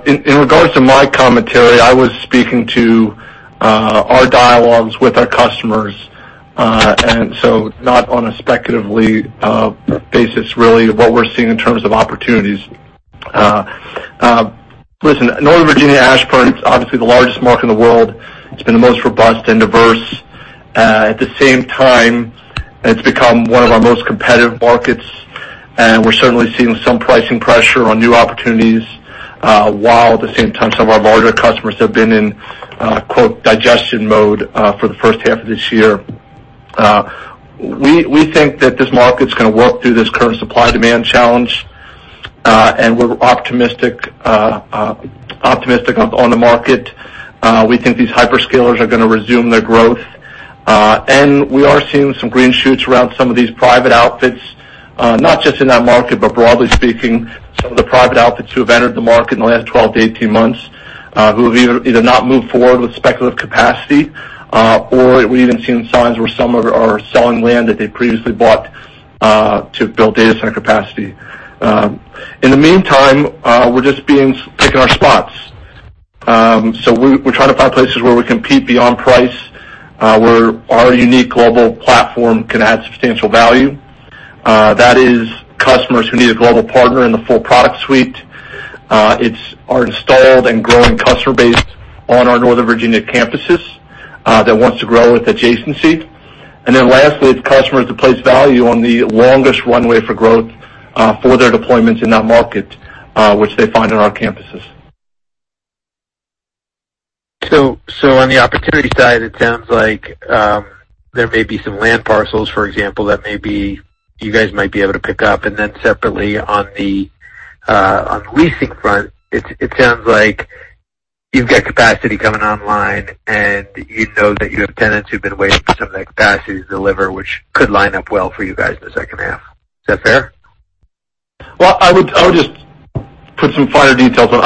In regards to my commentary, I was speaking to our dialogues with our customers, not on a speculative basis, really, of what we're seeing in terms of opportunities. Listen, Northern Virginia, Ashburn, it's obviously the largest market in the world. It's been the most robust and diverse. At the same time, it's become one of our most competitive markets, we're certainly seeing some pricing pressure on new opportunities, while at the same time, some of our larger customers have been in "digestion mode" for the first half of this year. We think that this market's going to work through this current supply-demand challenge, we're optimistic on the market. We think these hyperscalers are going to resume their growth. We are seeing some green shoots around some of these private outfits, not just in that market, but broadly speaking, some of the private outfits who have entered the market in the last 12-18 months, who have either not moved forward with speculative capacity, or we've even seen signs where some are selling land that they previously bought to build data center capacity. In the meantime, we're just picking our spots. We try to find places where we compete beyond price, where our unique global platform, PlatformDIGITAL can add substantial value. That is customers who need a global partner in the full product suite. It's our installed and growing customer base on our Northern Virginia campuses that wants to grow with adjacency. Lastly, it's customers that place value on the longest runway for growth for their deployments in that market, which they find on our campuses. On the opportunity side, it sounds like there may be some land parcels, for example, that maybe you guys might be able to pick up. Separately on the leasing front, it sounds like you've got capacity coming online, and you know that you have tenants who've been waiting for some of that capacity to deliver, which could line up well for you guys in the second half. Is that fair? Well, I would just put some finer details on it.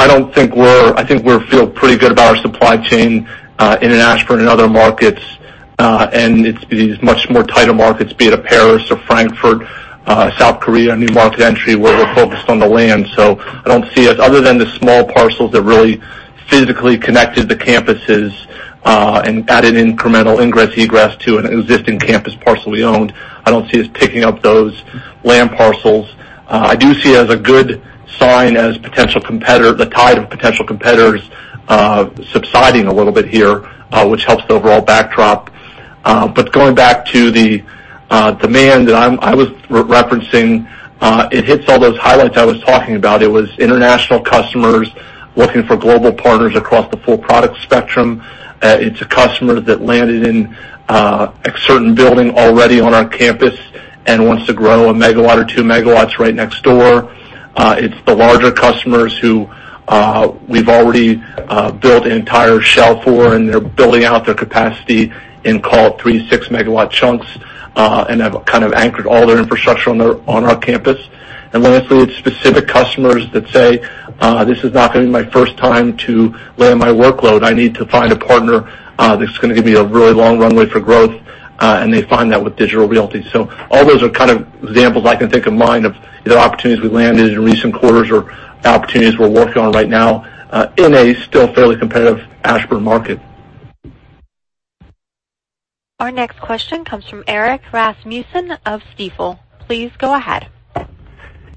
I think we feel pretty good about our supply chain in Ashburn and other markets, and it's these much more tighter markets, be it a Paris or Frankfurt, South Korea, new market entry where we're focused on the land. I don't see us, other than the small parcels that really physically connected the campuses and added incremental ingress, egress to an existing campus parcel we own, I don't see us picking up those land parcels. I do see it as a good sign as the tide of potential competitors subsiding a little bit here, which helps the overall backdrop. Going back to the demand that I was referencing, it hits all those highlights I was talking about. It was international customers looking for global partners across the full product spectrum. It's a customer that landed in a certain building already on our campus and wants to grow 1 MW or 2 MW right next door. It's the larger customers who we've already built an entire shelf for, and they're building out their capacity in call it 3 MW, 6 MW chunks, and have kind of anchored all their infrastructure on our campus. Lastly, it's specific customers that say, "This is not going to be my first time to land my workload. I need to find a partner that's going to give me a really long runway for growth," and they find that with Digital Realty. All those are examples I can think of mine, of either opportunities we landed in recent quarters or opportunities we're working on right now, in a still fairly competitive Ashburn market. Our next question comes from Erik Rasmussen of Stifel. Please go ahead.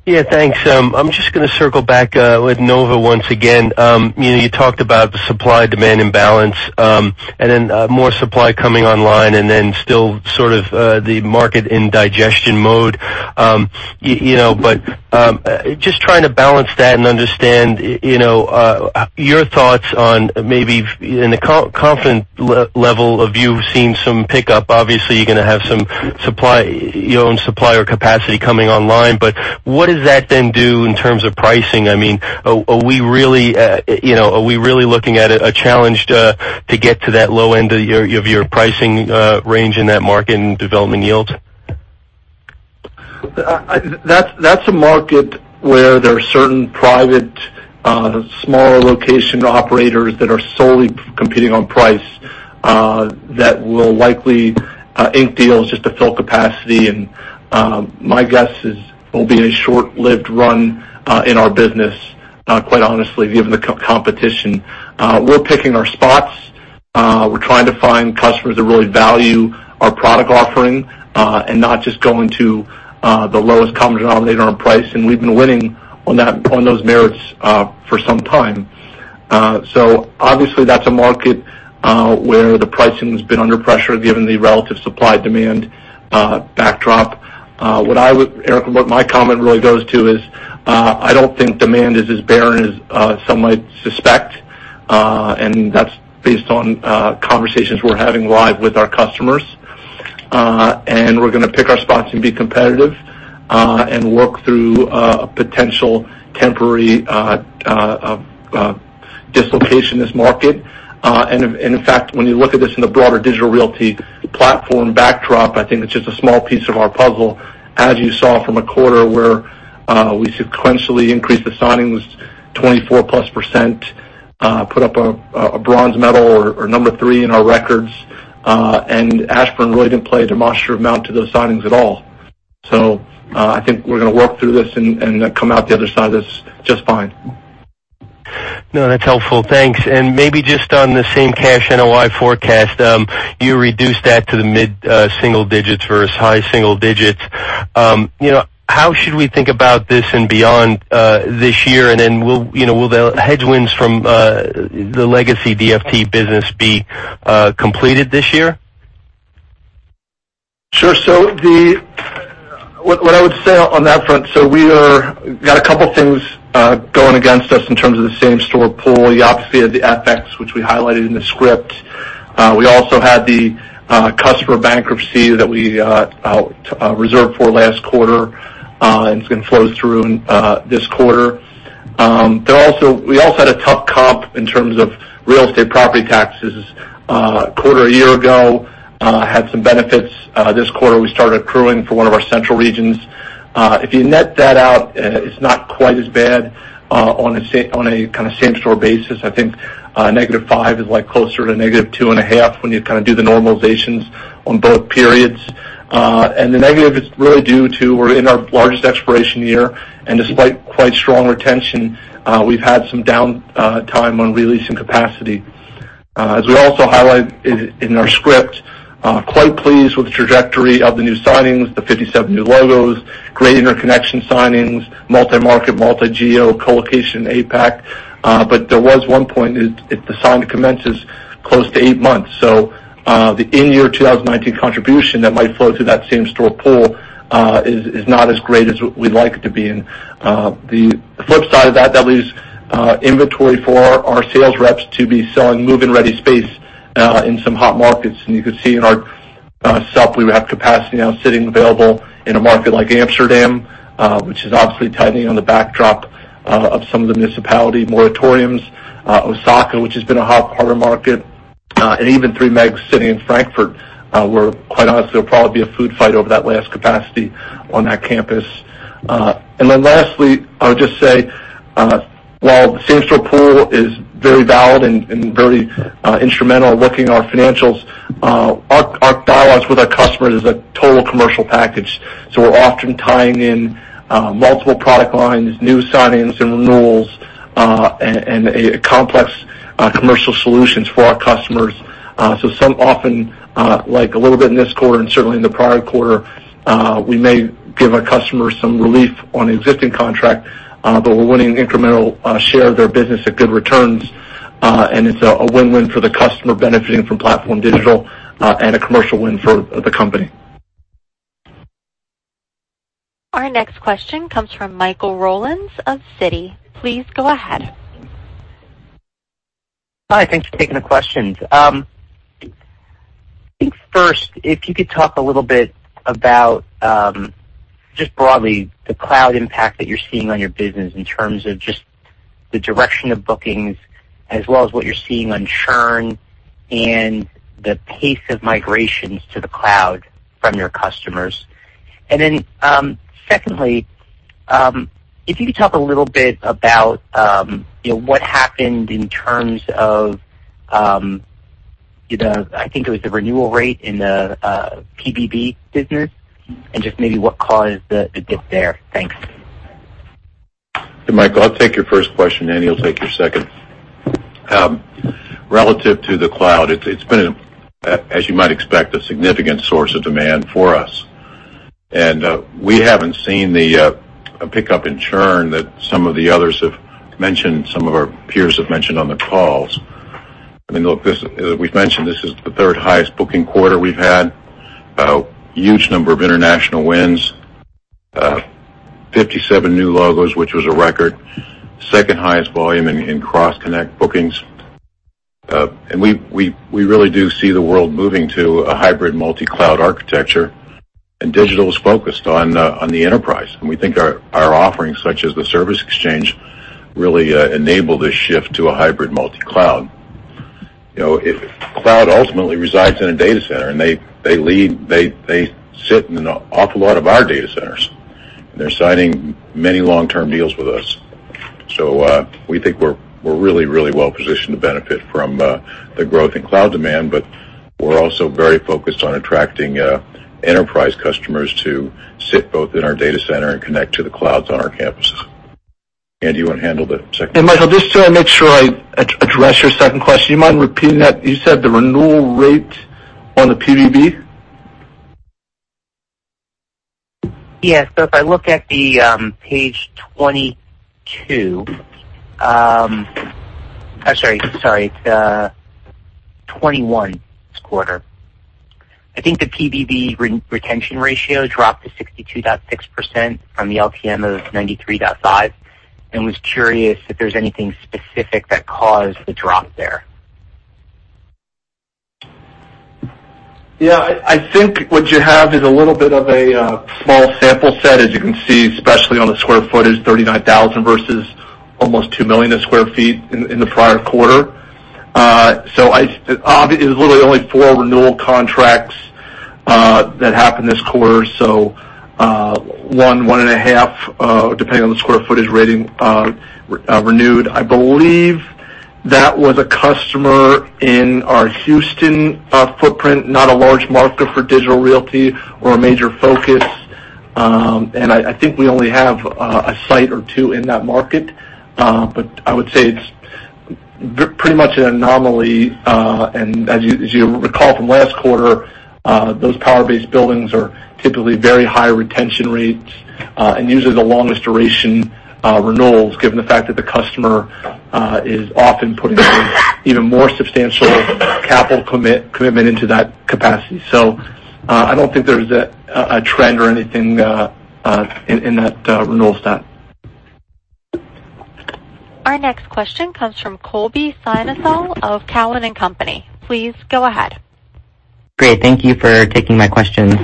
Yeah, thanks. I'm just going to circle back with NoVA once again. You talked about the supply-demand imbalance, more supply coming online, and then still sort of the market in digestion mode. Just trying to balance that and understand your thoughts on maybe in the confidence level of you seeing some pickup. Obviously, you're going to have some supply or capacity coming online. What does that then do in terms of pricing? Are we really looking at a challenge to get to that low end of your pricing range in that market and development yield? That's a market where there are certain private, smaller location operators that are solely competing on price, that will likely ink deals just to fill capacity. My guess is it will be a short-lived run in our business, quite honestly, given the competition. We're picking our spots. We're trying to find customers that really value our product offering, and not just going to the lowest common denominator on price. We've been winning on those merits for some time. Obviously, that's a market where the pricing's been under pressure given the relative supply-demand backdrop. Erik, what my comment really goes to is, I don't think demand is as barren as some might suspect, and that's based on conversations we're having live with our customers. We're going to pick our spots and be competitive, and work through a potential temporary dislocation in this market. In fact, when you look at this in the broader Digital Realty platform backdrop, I think it's just a small piece of our puzzle. As you saw from a quarter where we sequentially increased the signings by 24%+, put up a bronze medal or number three in our records, and Ashburn really didn't play a demonstrative amount to those signings at all. I think we're going to work through this and come out the other side of t his just fine. No, that's helpful. Thanks. Maybe just on the same cash NOI forecast. You reduced that to the mid-single digits versus high single digits. How should we think about this and beyond this year, and then will the headwinds from the legacy DFT business be completed this year? Sure. What I would say on that front, we got a couple things going against us in terms of the same-store pull. You obviously had the FX, which we highlighted in the script. We also had the customer bankruptcy that we reserved for last quarter, and it's going to flow through this quarter. We also had a tough comp in terms of real estate property taxes. A quarter a year ago had some benefits. This quarter, we started accruing for one of our central regions. If you net that out, it's not quite as bad on a same-store basis. I think, -5% is closer to -2.5% when you do the normalizations on both periods. The negative is really due to we're in our largest expiration year. Despite quite strong retention, we've had some downtime on re-leasing capacity. We also highlight in our script, quite pleased with the trajectory of the new signings, the 57 new logos, great interconnection signings, multi-market, multi-geo colocation in APAC. There was one point, the time to commence is close to eight months. The in-year 2019 contribution that might flow through that same-store pull is not as great as what we'd like it to be. The flip side of that leaves inventory for our sales reps to be selling move-in-ready space in some hot markets. You could see in our supplement, we have capacity now sitting available in a market like Amsterdam, which is obviously tightening on the backdrop of some of the municipality moratoriums. Osaka, which has been a hot market, even 3 MW sitting in Frankfurt, where quite honestly, there'll probably be a food fight over that last capacity on that campus. Then lastly, I would just say, while the same-store pool is very valid and very instrumental in looking at our financials, our dialogues with our customers is a total commercial package. We're often tying in multiple product lines, new signings and renewals, and complex commercial solutions for our customers. Some often, like a little bit in this quarter and certainly in the prior quarter, we may give our customers some relief on existing contracts, but we're winning incremental share of their business at good returns. It's a win-win for the customer benefiting from PlatformDIGITAL, and a commercial win for the company. Our next question comes from Michael Rollins of Citi. Please go ahead. Hi, thanks for taking the questions. I think first, if you could talk a little bit about, just broadly, the cloud impact that you're seeing on your business in terms of just the direction of bookings, as well as what you're seeing on churn and the pace of migrations to the cloud from your customers. Secondly, if you could talk a little bit about what happened in terms of, I think it was the renewal rate in the PBB business, and just maybe what caused the dip there? Thanks. Hey, Michael, I'll take your first question, Andy will take your second. Relative to the cloud, it's been, as you might expect, a significant source of demand for us. We haven't seen the pickup in churn that some of the others have mentioned, some of our peers have mentioned on the calls. I mean, look, as we've mentioned, this is the third highest booking quarter we've had. A huge number of international wins, 57 new logos, which was a record. Second-highest volume in cross connect bookings. We really do see the world moving to a hybrid multi-cloud architecture, and Digital Realty is focused on the enterprise. We think our offerings, such as the Service Exchange, really enable this shift to a hybrid multi-cloud. Cloud ultimately resides in a data center, they sit in an awful lot of our data centers, and they're signing many long-term deals with us. We think we're really, really well positioned to benefit from the growth in cloud demand, but we're also very focused on attracting enterprise customers to sit both in our data center and connect to the clouds on our campuses. Andy, you want to handle the second? Michael, just to make sure I address your second question, you mind repeating that? You said the renewal rate on the PBB? Yeah. If I look at the page 22, I'm sorry, it's 21 this quarter. I think the PBB retention ratio dropped to 62.6% from the LTM of 93.5%, and was curious if there's anything specific that caused the drop there? Yeah, I think what you have is a little bit of a small sample set, as you can see, especially on the square footage, 39,000 sq ft versus almost 2 million square feet in the prior quarter. It was literally only four renewal contracts that happened this quarter, 1.5, depending on the square footage rating, renewed. I believe that was a customer in our Houston footprint, not a large market for Digital Realty or a major focus. I think we only have a site or two in that market. I would say it's pretty much an anomaly, and as you recall from last quarter, those power-based buildings are typically very high retention rates, and usually the longest duration renewals, given the fact that the customer is often putting an even more substantial capital commitment into that capacity. I don't think there's a trend or anything in that renewals time. Our next question comes from Colby Synesael of Cowen and Company. Please go ahead. Great. Thank you for taking my question.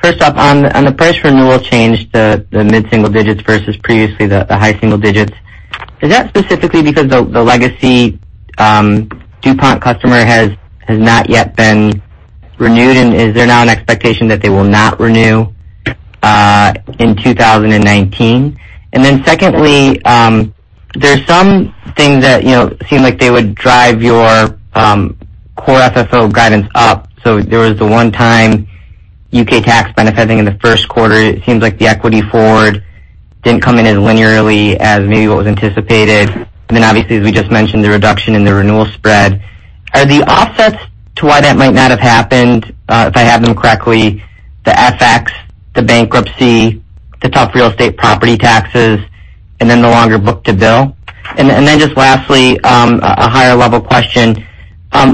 First up, on the price renewal change, the mid-single digits versus previously the high single digits, is that specifically because the legacy DuPont customer has not yet been renewed? Is there now an expectation that they will not renew in 2019? Secondly, there's some things that seem like they would drive your core FFO guidance up. There was the one-time U.K. tax benefit, I think, in the first quarter. It seems like the equity forward didn't come in as linearly as maybe what was anticipated. Obviously, as we just mentioned, the reduction in the renewal spread. Are the offsets to why that might not have happened, if I have them correctly, the FX, the bankruptcy, the top real estate property taxes, and then the longer book-to-bill? Just lastly, a higher-level question.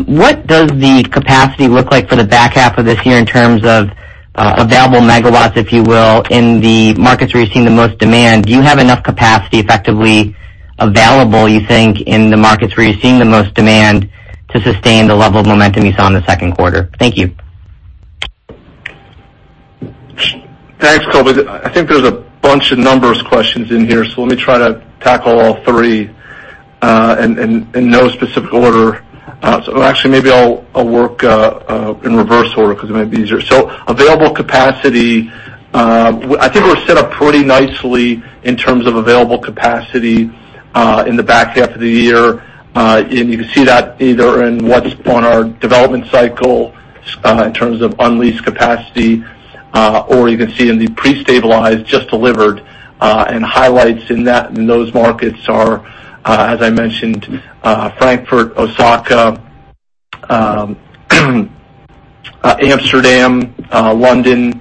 What does the capacity look like for the back half of this year in terms of available megawatts, if you will, in the markets where you're seeing the most demand? Do you have enough capacity effectively available, you think, in the markets where you're seeing the most demand to sustain the level of momentum you saw in the second quarter? Thank you. Thanks, Colby. I think there's a bunch of numbers questions in here. Let me try to tackle all three in no specific order. Actually, maybe I'll work in reverse order because it might be easier. Available capacity, I think we're set up pretty nicely in terms of available capacity in the back half of the year. You can see that either in what's on our development cycle in terms of unleased capacity, or you can see in the pre-stabilized, just delivered. Highlights in those markets are, as I mentioned, Frankfurt, Osaka, Amsterdam, London.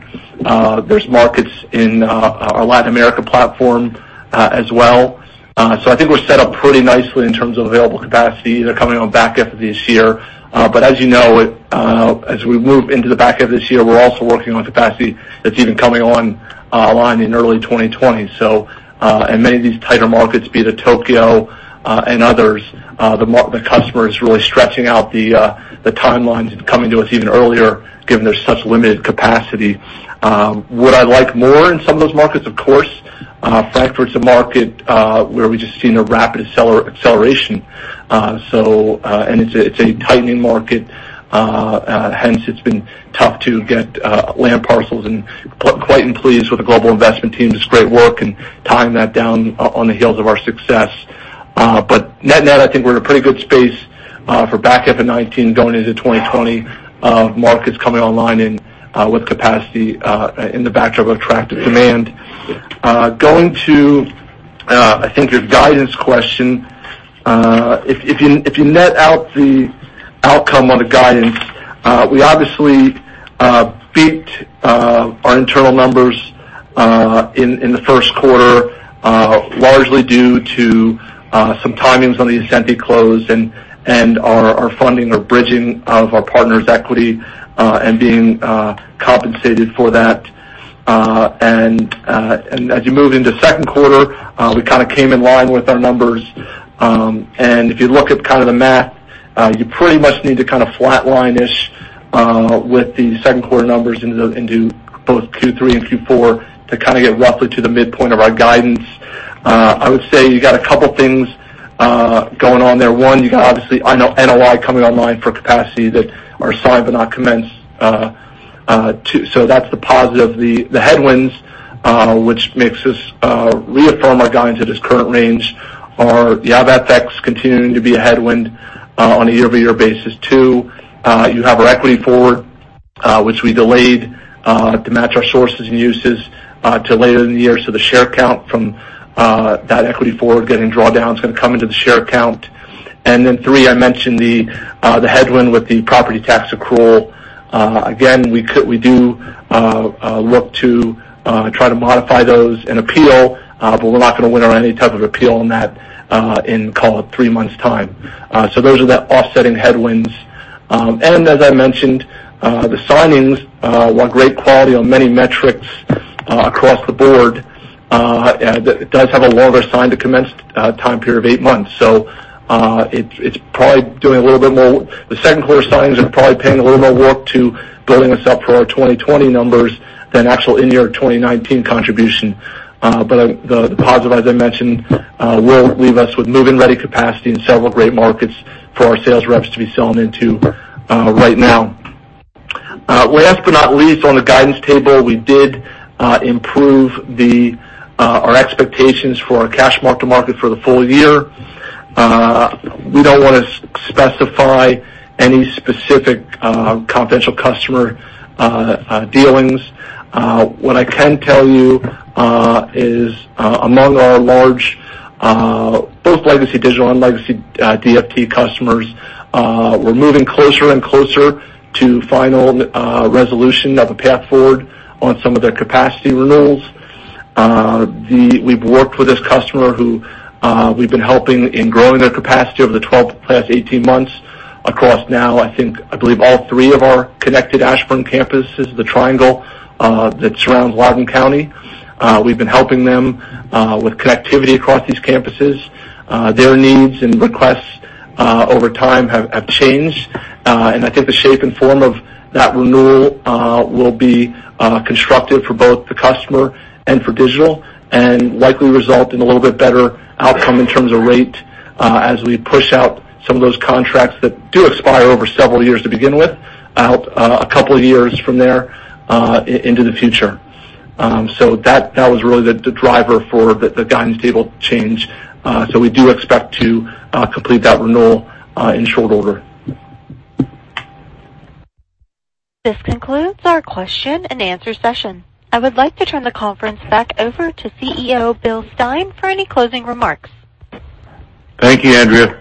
There's markets in our Latin America platform as well. I think we're set up pretty nicely in terms of available capacity either coming on back half of this year. As you know, as we move into the back half of this year, we're also working on capacity that's even coming online in early 2020. Many of these tighter markets, be it Tokyo and others, the customer is really stretching out the timelines and coming to us even earlier, given there's such limited capacity. Would I like more in some of those markets? Of course. Frankfurt's a market where we've just seen a rapid acceleration. It's a tightening market, hence it's been tough to get land parcels. Quite pleased with the global investment team. Just great work in tying that down on the heels of our success. Net-net, I think we're in a pretty good space for back half of 2019 going into 2020. Markets coming online with capacity in the backdrop of attractive demand. Going to, I think, your guidance question. If you net out the outcome on the guidance, we obviously beat our internal numbers in the first quarter largely due to some timings on the Ascenty close and our funding or bridging of our partners' equity and being compensated for that. As you move into second quarter, we kind of came in line with our numbers. If you look at the math, you pretty much need to kind of flatline-ish with the second quarter numbers into both Q3 and Q4 to get roughly to the midpoint of our guidance. I would say you got a couple things going on there. One, you got obviously NOI coming online for capacity that are signed but not commenced. That's the positive. The headwinds, which makes us reaffirm our guidance at this current range, are the FX continuing to be a headwind on a year-over-year basis, two, you have our equity forward, which we delayed to match our sources and uses to later in the year. The share count from that equity forward getting drawdowns going to come into the share count. Three, I mentioned the headwind with the property tax accrual. Again, we do look to try to modify those and appeal, but we're not going to win on any type of appeal on that in, call it, three months' time. Those are the offsetting headwinds. As I mentioned, the signings want great quality on many metrics across the board. It does have a longer signed to commenced time period of eight months. The second quarter signings are probably paying a little more work to building us up for our 2020 numbers than actual in-year 2019 contribution. The positive, as I mentioned, will leave us with move-in-ready capacity in several great markets for our sales reps to be selling into right now. Last but not least, on the guidance table, we did improve our expectations for our cash mark-to-market for the full year. We don't want to specify any specific confidential customer dealings. What I can tell you is among our large, both legacy Digital and legacy DFT customers, we're moving closer and closer to final resolution of a path forward on some of their capacity renewals. We've worked with this customer who we've been helping in growing their capacity over the 12 past 18 months across now, I think, I believe all three of our connected Ashburn campuses, the triangle that surrounds Loudoun County. We've been helping them with connectivity across these campuses. Their needs and requests over time have changed. I think the shape and form of that renewal will be constructive for both the customer and for Digital, and likely result in a little bit better outcome in terms of rate as we push out some of those contracts that do expire over several years to begin with, out a couple of years from there into the future. That was really the driver for the guidance table change. We do expect to complete that renewal in short order. This concludes our question-and-answer session. I would like to turn the conference back over to CEO Bill Stein for any closing remarks. Thank you, Andrea.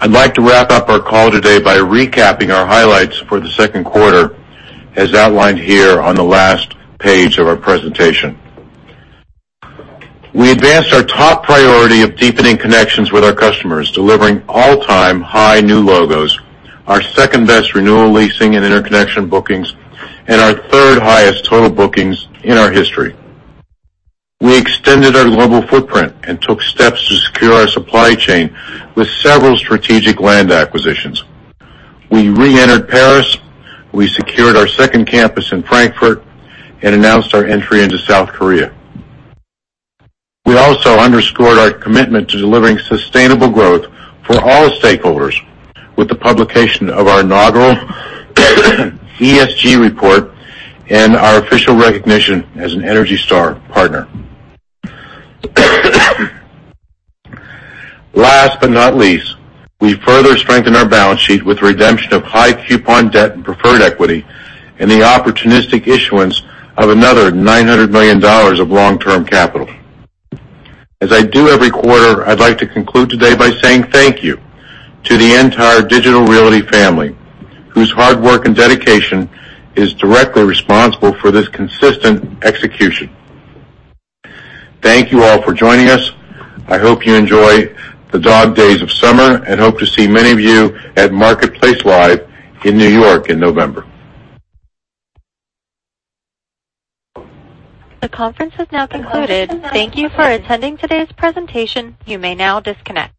I'd like to wrap up our call today by recapping our highlights for the second quarter, as outlined here on the last page of our presentation. We advanced our top priority of deepening connections with our customers, delivering all-time high new logos, our second-best renewal leasing and interconnection bookings, and our third highest total bookings in our history. We extended our global footprint and took steps to secure our supply chain with several strategic land acquisitions. We re-entered Paris, we secured our second campus in Frankfurt, and announced our entry into South Korea. We also underscored our commitment to delivering sustainable growth for all stakeholders with the publication of our inaugural ESG Report and our official recognition as an ENERGY STAR Partner. Last but not least, we further strengthened our balance sheet with redemption of high-coupon debt and preferred equity, and the opportunistic issuance of another $900 million of long-term capital. As I do every quarter, I'd like to conclude today by saying thank you to the entire Digital Realty family, whose hard work and dedication is directly responsible for this consistent execution. Thank you all for joining us. I hope you enjoy the dog days of summer and hope to see many of you at MarketplaceLIVE in New York in November. The conference has now concluded. Thank you for attending today's presentation. You may now disconnect.